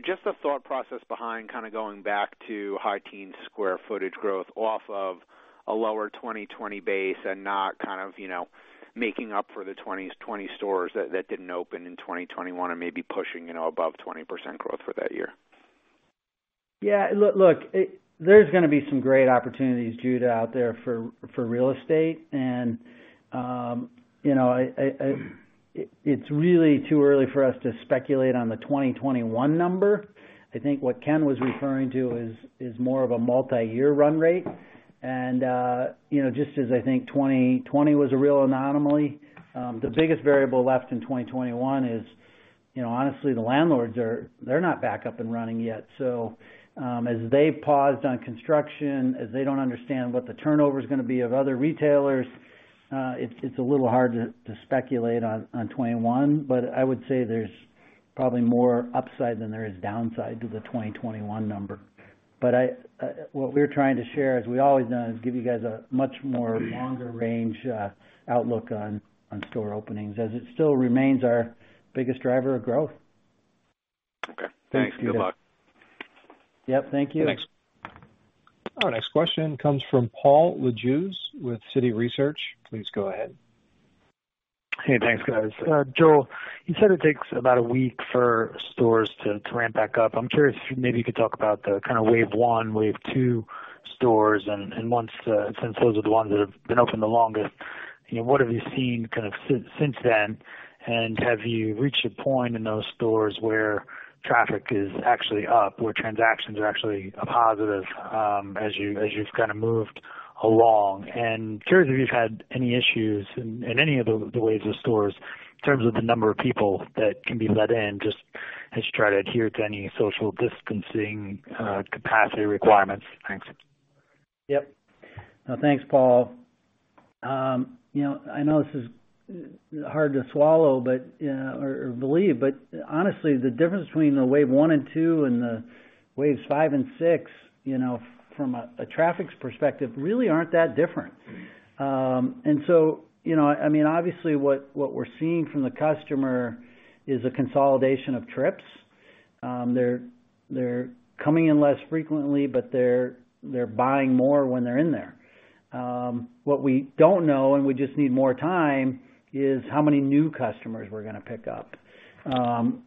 just the thought process behind kind of going back to high-teen square footage growth off of a lower 2020 base and not kind of making up for the 2020 stores that did not open in 2021 and maybe pushing above 20% growth for that year. Yeah. Look, there's going to be some great opportunities, Judah, out there for real estate. It's really too early for us to speculate on the 2021 number. I think what Ken was referring to is more of a multi-year run rate. Just as I think 2020 was a real anomaly, the biggest variable left in 2021 is, honestly, the landlords, they're not back up and running yet. As they paused on construction, as they don't understand what the turnover's going to be of other retailers, it's a little hard to speculate on 2021. I would say there's probably more upside than there is downside to the 2021 number. What we're trying to share, as we always do, is give you guys a much more longer-range outlook on store openings as it still remains our biggest driver of growth. Okay. Thanks, Judah. Thanks. Yep. Thank you. Thanks. Our next question comes from Paul Lejuez with Citi Research. Please go ahead. Hey, thanks, guys. Joel, you said it takes about a week for stores to ramp back up. I'm curious if maybe you could talk about the kind of wave one, wave two stores. Since those are the ones that have been open the longest, what have you seen kind of since then? Have you reached a point in those stores where traffic is actually up, where transactions are actually a positive as you've kind of moved along? I'm curious if you've had any issues in any of the waves of stores in terms of the number of people that can be let in just as you try to adhere to any social distancing capacity requirements. Thanks. Yep. No, thanks, Paul. I know this is hard to swallow or believe, but honestly, the difference between the wave one and two and the waves five and six from a traffic perspective really are not that different. I mean, obviously, what we are seeing from the customer is a consolidation of trips. They are coming in less frequently, but they are buying more when they are in there. What we do not know, and we just need more time, is how many new customers we are going to pick up.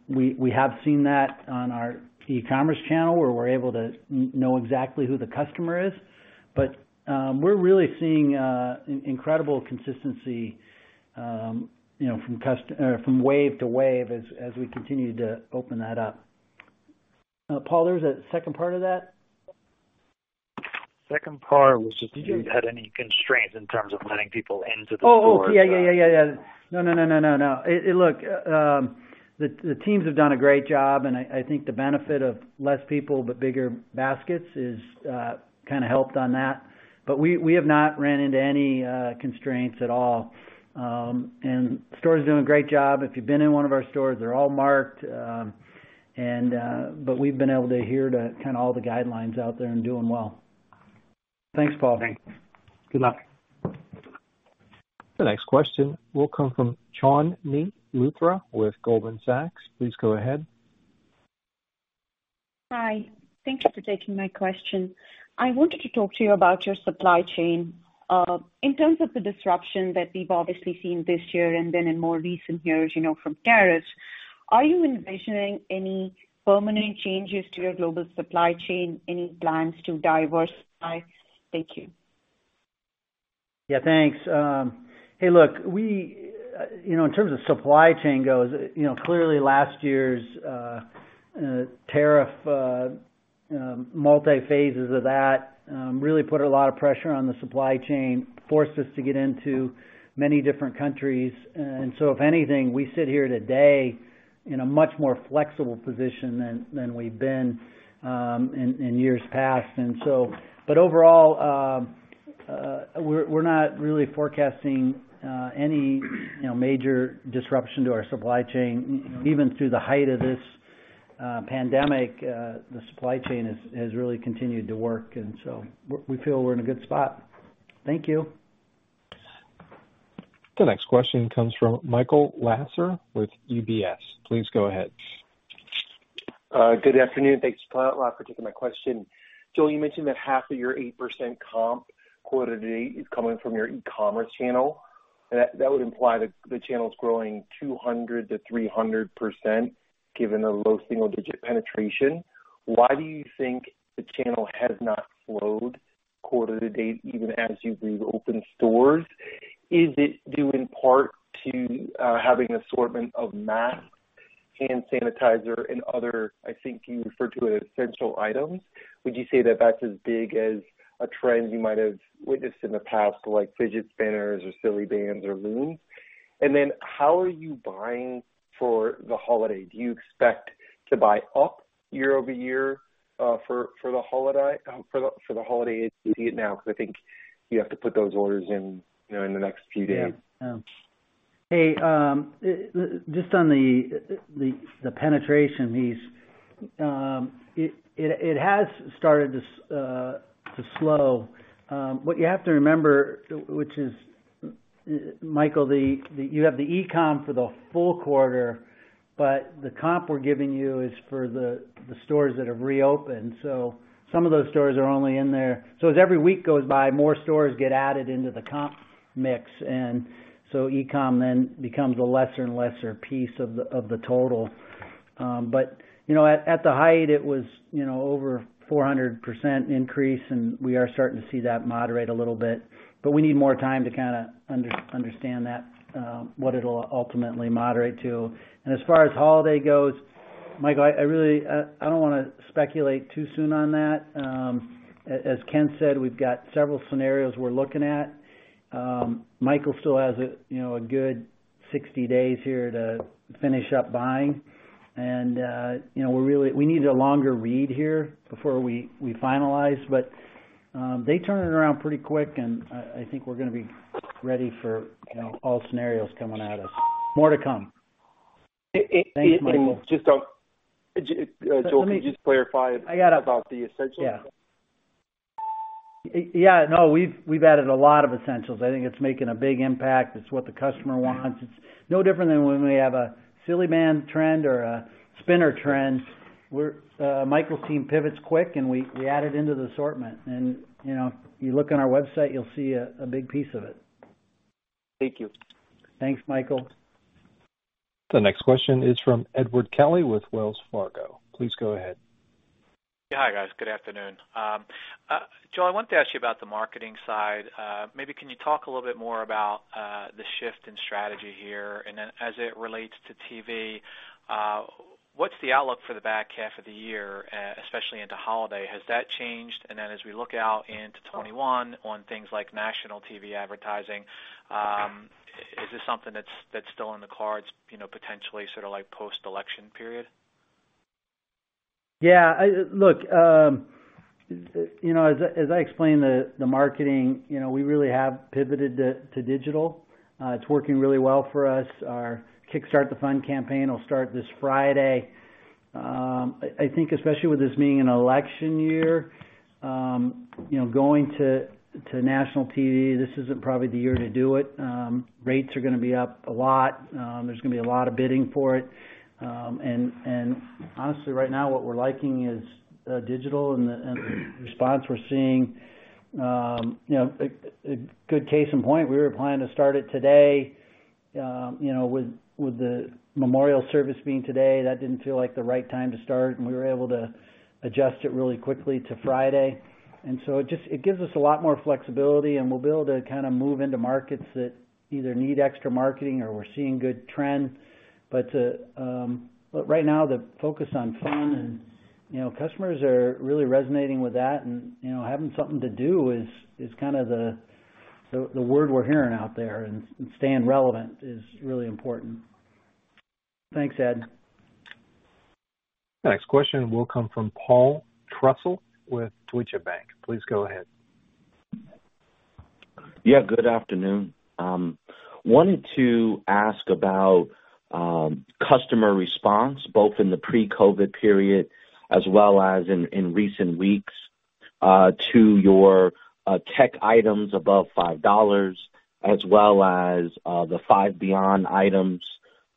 We have seen that on our e-commerce channel where we are able to know exactly who the customer is. We are really seeing incredible consistency from wave to wave as we continue to open that up. Paul, there was a second part of that? Second part was just if you had any constraints in terms of letting people into the stores. Oh, yeah. No, look, the teams have done a great job, and I think the benefit of less people but bigger baskets has kind of helped on that. We have not ran into any constraints at all. The store's doing a great job. If you've been in one of our stores, they're all marked. We've been able to adhere to kind of all the guidelines out there and doing well. Thanks, Paul. Thanks. Good luck. The next question will come from Chandni Luthra with Goldman Sachs. Please go ahead. Hi. Thank you for taking my question. I wanted to talk to you about your supply chain. In terms of the disruption that we've obviously seen this year and then in more recent years from tariffs, are you envisioning any permanent changes to your global supply chain, any plans to diversify? Thank you. Yeah. Thanks. Hey, look, in terms of supply chain goes, clearly last year's tariff, multi-phases of that, really put a lot of pressure on the supply chain, forced us to get into many different countries. If anything, we sit here today in a much more flexible position than we've been in years past. Overall, we're not really forecasting any major disruption to our supply chain. Even through the height of this pandemic, the supply chain has really continued to work. We feel we're in a good spot. Thank you. The next question comes from Michael Lasser with UBS. Please go ahead. Good afternoon. Thanks a lot for taking my question. Joel, you mentioned that half of your 8% comp quoted today is coming from your e-commerce channel. That would imply the channel's growing 200%-300% given the low single-digit penetration. Why do you think the channel has not slowed quarter to date even as you reopen stores? Is it due in part to having an assortment of masks and sanitizer and other, I think you referred to it as essential items? Would you say that that's as big as a trend you might have witnessed in the past like fidget spinners or Silly Bandz or Loom? How are you buying for the holiday? Do you expect to buy up year-over-year for the holiday as you see it now? I think you have to put those orders in the next few days. Yeah. Yeah. Hey, just on the penetration piece, it has started to slow. What you have to remember, which is, Michael, you have the e-comm for the full quarter, but the comp we're giving you is for the stores that have reopened. Some of those stores are only in there. As every week goes by, more stores get added into the comp mix. E-comm then becomes a lesser and lesser piece of the total. At the height, it was over 400% increase, and we are starting to see that moderate a little bit. We need more time to kind of understand that, what it'll ultimately moderate to. As far as holiday goes, Michael, I don't want to speculate too soon on that. As Ken said, we've got several scenarios we're looking at. Michael still has a good 60 days here to finish up buying. We need a longer read here before we finalize. They turned it around pretty quick, and I think we're going to be ready for all scenarios coming at us. More to come. Thanks, Michael. Just Joel, can you just clarify about the essentials? Yeah. Yeah. No, we've added a lot of essentials. I think it's making a big impact. It's what the customer wants. It's no different than when we have a Silly Band trend or a spinner trend. Michael's team pivots quick, and we add it into the assortment. If you look on our website, you'll see a big piece of it. Thank you. Thanks, Michael. The next question is from Edward Kelly with Wells Fargo. Please go ahead. Yeah. Hi, guys. Good afternoon. Joel, I wanted to ask you about the marketing side. Maybe can you talk a little bit more about the shift in strategy here? As it relates to TV, what's the outlook for the back half of the year, especially into holiday? Has that changed? As we look out into 2021 on things like national TV advertising, is this something that's still on the cards, potentially sort of post-election period? Yeah. Look, as I explained, the marketing, we really have pivoted to digital. It's working really well for us. Our Kickstart the Fund campaign will start this Friday. I think especially with this being an election year, going to national TV, this isn't probably the year to do it. Rates are going to be up a lot. There's going to be a lot of bidding for it. Honestly, right now, what we're liking is digital and the response we're seeing. A good case in point, we were planning to start it today. With the memorial service being today, that didn't feel like the right time to start. We were able to adjust it really quickly to Friday. It gives us a lot more flexibility, and we'll be able to kind of move into markets that either need extra marketing or we're seeing good trends. Right now, the focus on fun and customers are really resonating with that. Having something to do is kind of the word we're hearing out there. Staying relevant is really important. Thanks, Ed. The next question will come from Paul Trussell with Deutsche Bank. Please go ahead. Yeah. Good afternoon. Wanted to ask about customer response, both in the pre-COVID period as well as in recent weeks, to your tech items above $5, as well as the Five Beyond items.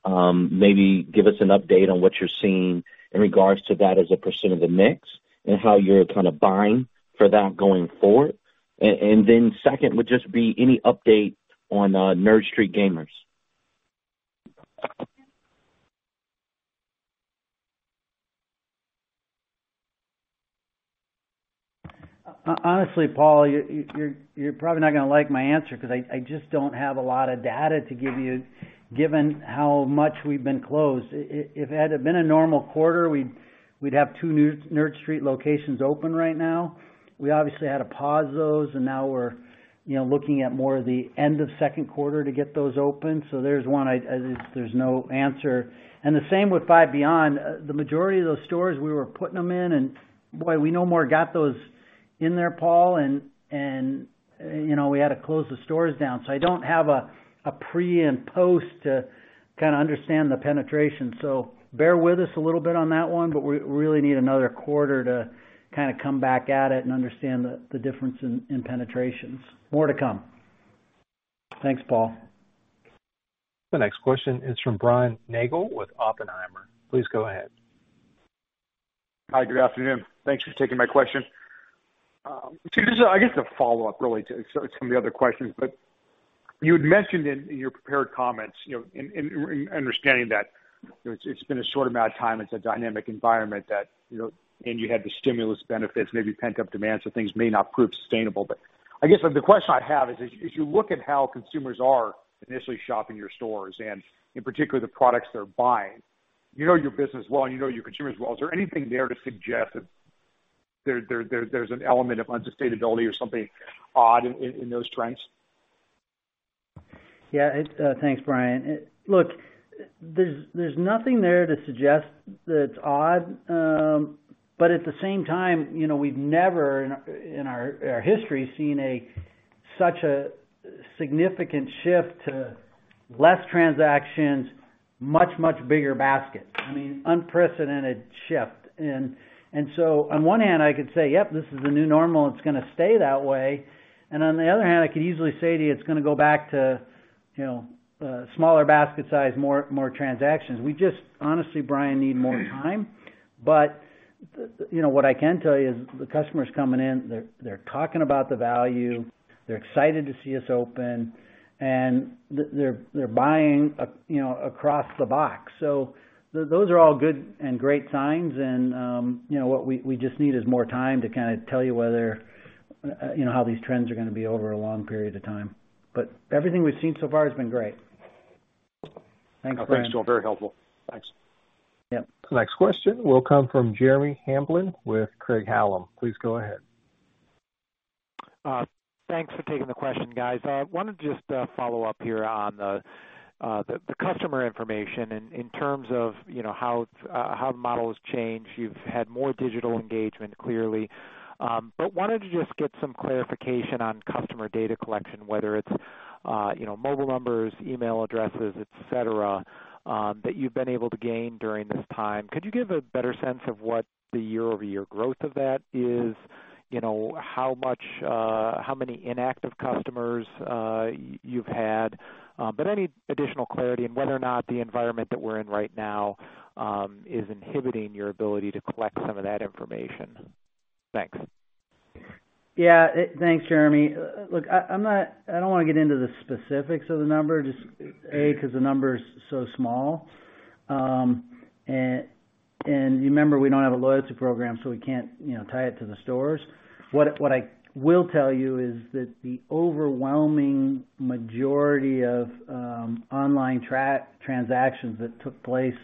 Maybe give us an update on what you're seeing in regards to that as a percent of the mix and how you're kind of buying for that going forward. The second would just be any update on Nerd Street Gamers. Honestly, Paul, you're probably not going to like my answer because I just don't have a lot of data to give you, given how much we've been closed. If it had been a normal quarter, we'd have two Nerd Street locations open right now. We obviously had to pause those, and now we're looking at more of the end of second quarter to get those open. There is no answer. The same with Five Beyond. The majority of those stores we were putting them in, and boy, we no more got those in there, Paul, and we had to close the stores down. I don't have a pre and post to kind of understand the penetration. Bear with us a little bit on that one, but we really need another quarter to kind of come back at it and understand the difference in penetrations. More to come. Thanks, Paul. The next question is from Brian Nagel with Oppenheimer. Please go ahead. Hi. Good afternoon. Thanks for taking my question. I guess a follow-up, really, to some of the other questions. You had mentioned in your prepared comments, understanding that it's been a short amount of time, it's a dynamic environment, and you had the stimulus benefits, maybe pent-up demand, so things may not prove sustainable. I guess the question I have is, as you look at how consumers are initially shopping your stores and, in particular, the products they're buying, you know your business well and you know your consumers well. Is there anything there to suggest that there's an element of unsustainability or something odd in those trends? Yeah. Thanks, Brian. Look, there's nothing there to suggest that it's odd. At the same time, we've never in our history seen such a significant shift to less transactions, much, much bigger baskets. I mean, unprecedented shift. On one hand, I could say, "Yep, this is the new normal. It's going to stay that way." On the other hand, I could easily say to you, "It's going to go back to smaller basket size, more transactions." We just, honestly, Brian, need more time. What I can tell you is the customer's coming in. They're talking about the value. They're excited to see us open. They're buying across the box. Those are all good and great signs. What we just need is more time to kind of tell you how these trends are going to be over a long period of time. Everything we've seen so far has been great. Thanks, Brian. Thanks, Joel. Very helpful. Thanks. Yep. The next question will come from Jeremy Hamblin with Craig-Hallum. Please go ahead. Thanks for taking the question, guys. I wanted to just follow up here on the customer information in terms of how the model has changed. You've had more digital engagement, clearly. I wanted to just get some clarification on customer data collection, whether it's mobile numbers, email addresses, etc., that you've been able to gain during this time. Could you give a better sense of what the year-over-year growth of that is? How many inactive customers you've had? Any additional clarity on whether or not the environment that we're in right now is inhibiting your ability to collect some of that information? Thanks. Yeah. Thanks, Jeremy. Look, I do not want to get into the specifics of the number, just A, because the number is so small. You remember we do not have a loyalty program, so we cannot tie it to the stores. What I will tell you is that the overwhelming majority of online transactions that took place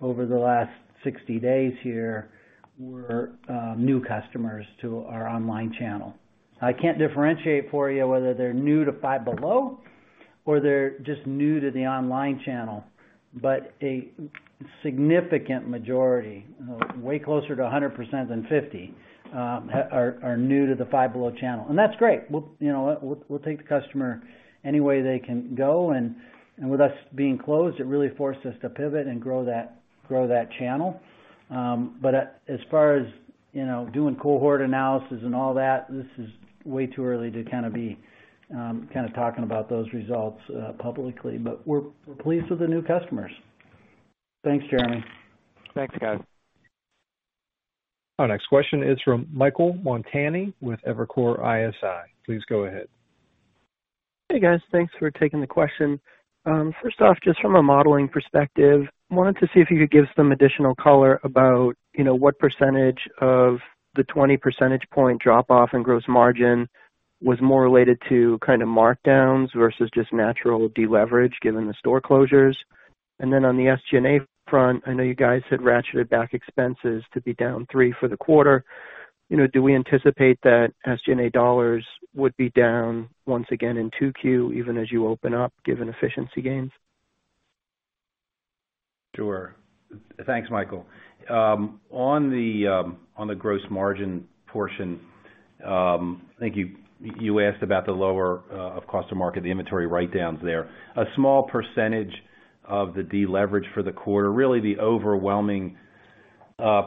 over the last 60 days here were new customers to our online channel. I cannot differentiate for you whether they are Five Below or they are just new to the online channel. A significant majority, way closer to 100% than 50%, are new Five Below channel. that is great. We will take the customer any way they can go. With us being closed, it really forced us to pivot and grow that channel. As far as doing cohort analysis and all that, this is way too early to kind of be kind of talking about those results publicly. We are pleased with the new customers. Thanks, Jeremy. Thanks, guys. Our next question is from Michael Montani with Evercore ISI. Please go ahead. Hey, guys. Thanks for taking the question. First off, just from a modeling perspective, wanted to see if you could give some additional color about what percentage of the 20 percentage point drop-off in gross margin was more related to kind of markdowns versus just natural deleverage given the store closures. Then on the SG&A front, I know you guys had ratcheted back expenses to be down three for the quarter. Do we anticipate that SG&A dollars would be down once again in Q2, even as you open up, given efficiency gains? Sure. Thanks, Michael. On the gross margin portion, I think you asked about the lower of cost or market, the inventory write-downs there. A small percentage of the deleverage for the quarter, really the overwhelming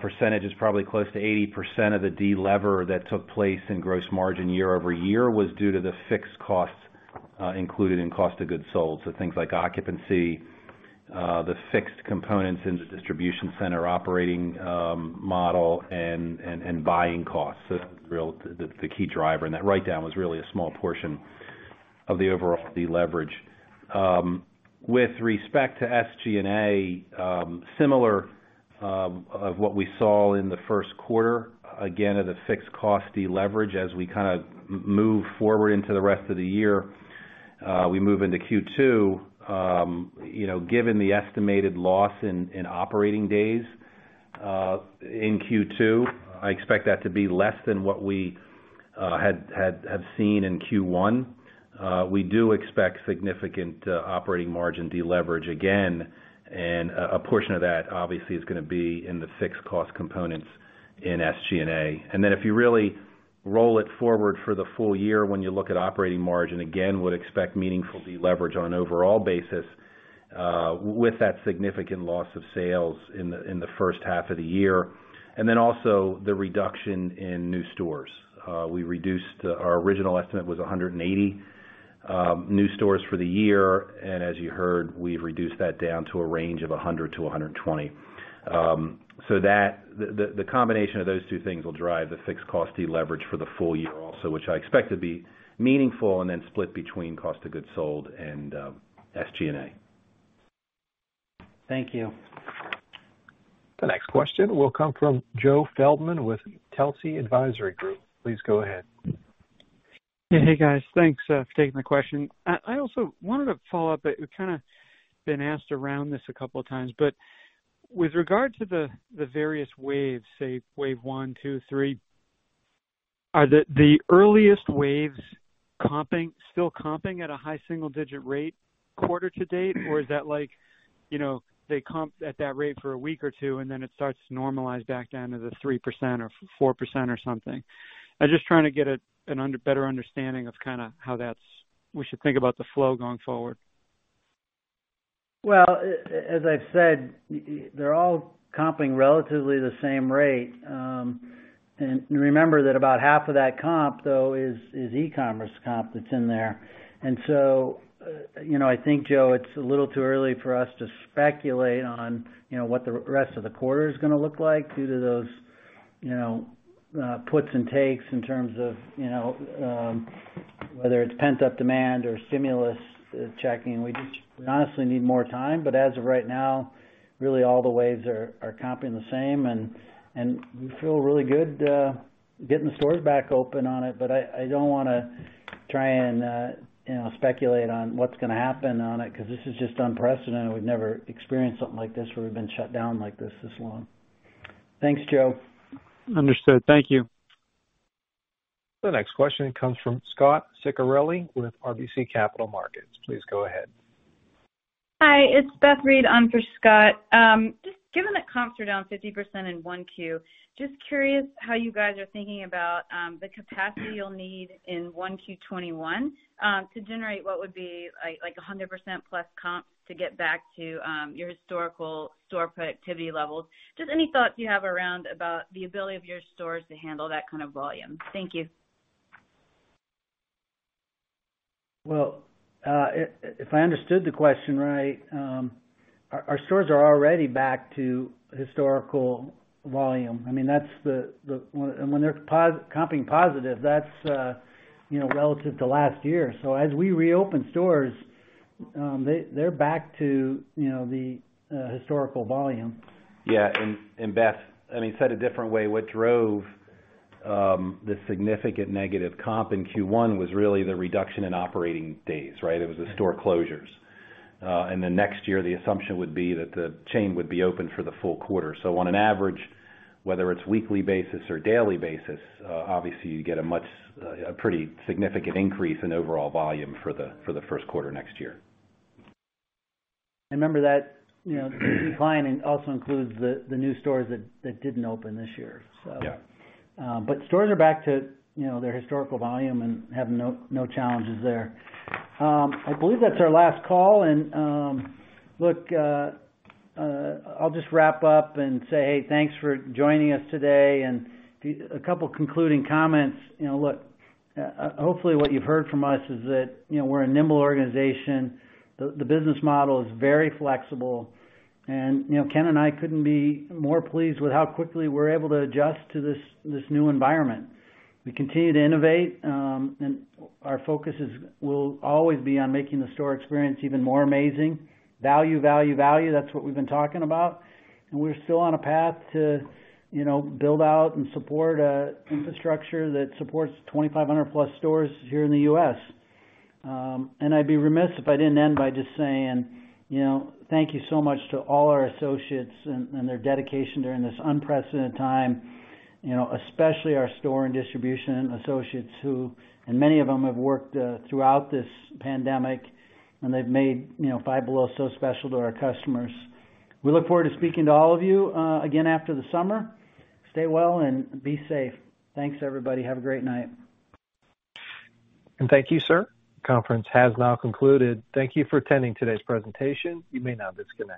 percentage is probably close to 80% of the delever that took place in gross margin year-over-year was due to the fixed costs included in cost of goods sold. Things like occupancy, the fixed components in the distribution center operating model, and buying costs. That was the key driver. That write-down was really a small portion of the overall deleverage. With respect to SG&A, similar to what we saw in the first quarter, again, of the fixed cost deleverage as we kind of move forward into the rest of the year, we move into Q2. Given the estimated loss in operating days in Q2, I expect that to be less than what we have seen in Q1. We do expect significant operating margin deleverage again. A portion of that, obviously, is going to be in the fixed cost components in SG&A. If you really roll it forward for the full year, when you look at operating margin, again, would expect meaningful deleverage on an overall basis with that significant loss of sales in the first half of the year. Also, the reduction in new stores. We reduced our original estimate was 180 new stores for the year. As you heard, we have reduced that down to a range of 100-120. The combination of those two things will drive the fixed cost deleverage for the full year also, which I expect to be meaningful and then split between cost of goods sold and SG&A. Thank you. The next question will come from Joe Feldman with Telsey Advisory Group. Please go ahead. Yeah. Hey, guys. Thanks for taking the question. I also wanted to follow up. We've kind of been asked around this a couple of times. With regard to the various waves, say, wave one, two, three, are the earliest waves still comping at a high single-digit rate quarter to date? Or is that like they comp at that rate for a week or two, and then it starts to normalize back down to the 3%-4% or something? I'm just trying to get a better understanding of kind of how we should think about the flow going forward. As I've said, they're all comping relatively the same rate. Remember that about half of that comp, though, is e-commerce comp that's in there. I think, Joe, it's a little too early for us to speculate on what the rest of the quarter is going to look like due to those puts and takes in terms of whether it's pent-up demand or stimulus checking. We honestly need more time. As of right now, really, all the waves are comping the same. We feel really good getting the stores back open on it. I don't want to try and speculate on what's going to happen on it because this is just unprecedented. We've never experienced something like this where we've been shut down like this this long. Thanks, Joe. Understood. Thank you. The next question comes from Scott Ciccarelli with RBC Capital Markets. Please go ahead. Hi. It's Beth Ree on for Scott. Just given that comps are down 50% in Q1, just curious how you guys are thinking about the capacity you'll need in Q1 2021 to generate what would be like 100%+ comps to get back to your historical store productivity levels. Just any thoughts you have around about the ability of your stores to handle that kind of volume. Thank you. If I understood the question right, our stores are already back to historical volume. I mean, that's the and when they're comping positive, that's relative to last year. As we reopen stores, they're back to the historical volume. Yeah. And Beth, I mean, said a different way, what drove the significant negative comp in Q1 was really the reduction in operating days, right? It was the store closures. Next year, the assumption would be that the chain would be open for the full quarter. On an average, whether it's weekly basis or daily basis, obviously, you get a pretty significant increase in overall volume for the first quarter next year. I remember that decline also includes the new stores that didn't open this year. Yeah. Stores are back to their historical volume and have no challenges there. I believe that's our last call. I'll just wrap up and say, "Hey, thanks for joining us today." A couple of concluding comments. Hopefully, what you've heard from us is that we're a nimble organization. The business model is very flexible. Ken and I couldn't be more pleased with how quickly we're able to adjust to this new environment. We continue to innovate. Our focus will always be on making the store experience even more amazing. Value, value, value. That's what we've been talking about. We're still on a path to build out and support an infrastructure that supports 2,500+ stores here in the U.S. I'd be remiss if I didn't end by just saying, "Thank you so much to all our associates and their dedication during this unprecedented time, especially our store and distribution associates who, and many of them, have worked throughout this pandemic, and Five Below so special to our customers." We look forward to speaking to all of you again after the summer. Stay well and be safe. Thanks, everybody. Have a great night. Thank you, sir. The conference has now concluded. Thank you for attending today's presentation. You may now disconnect.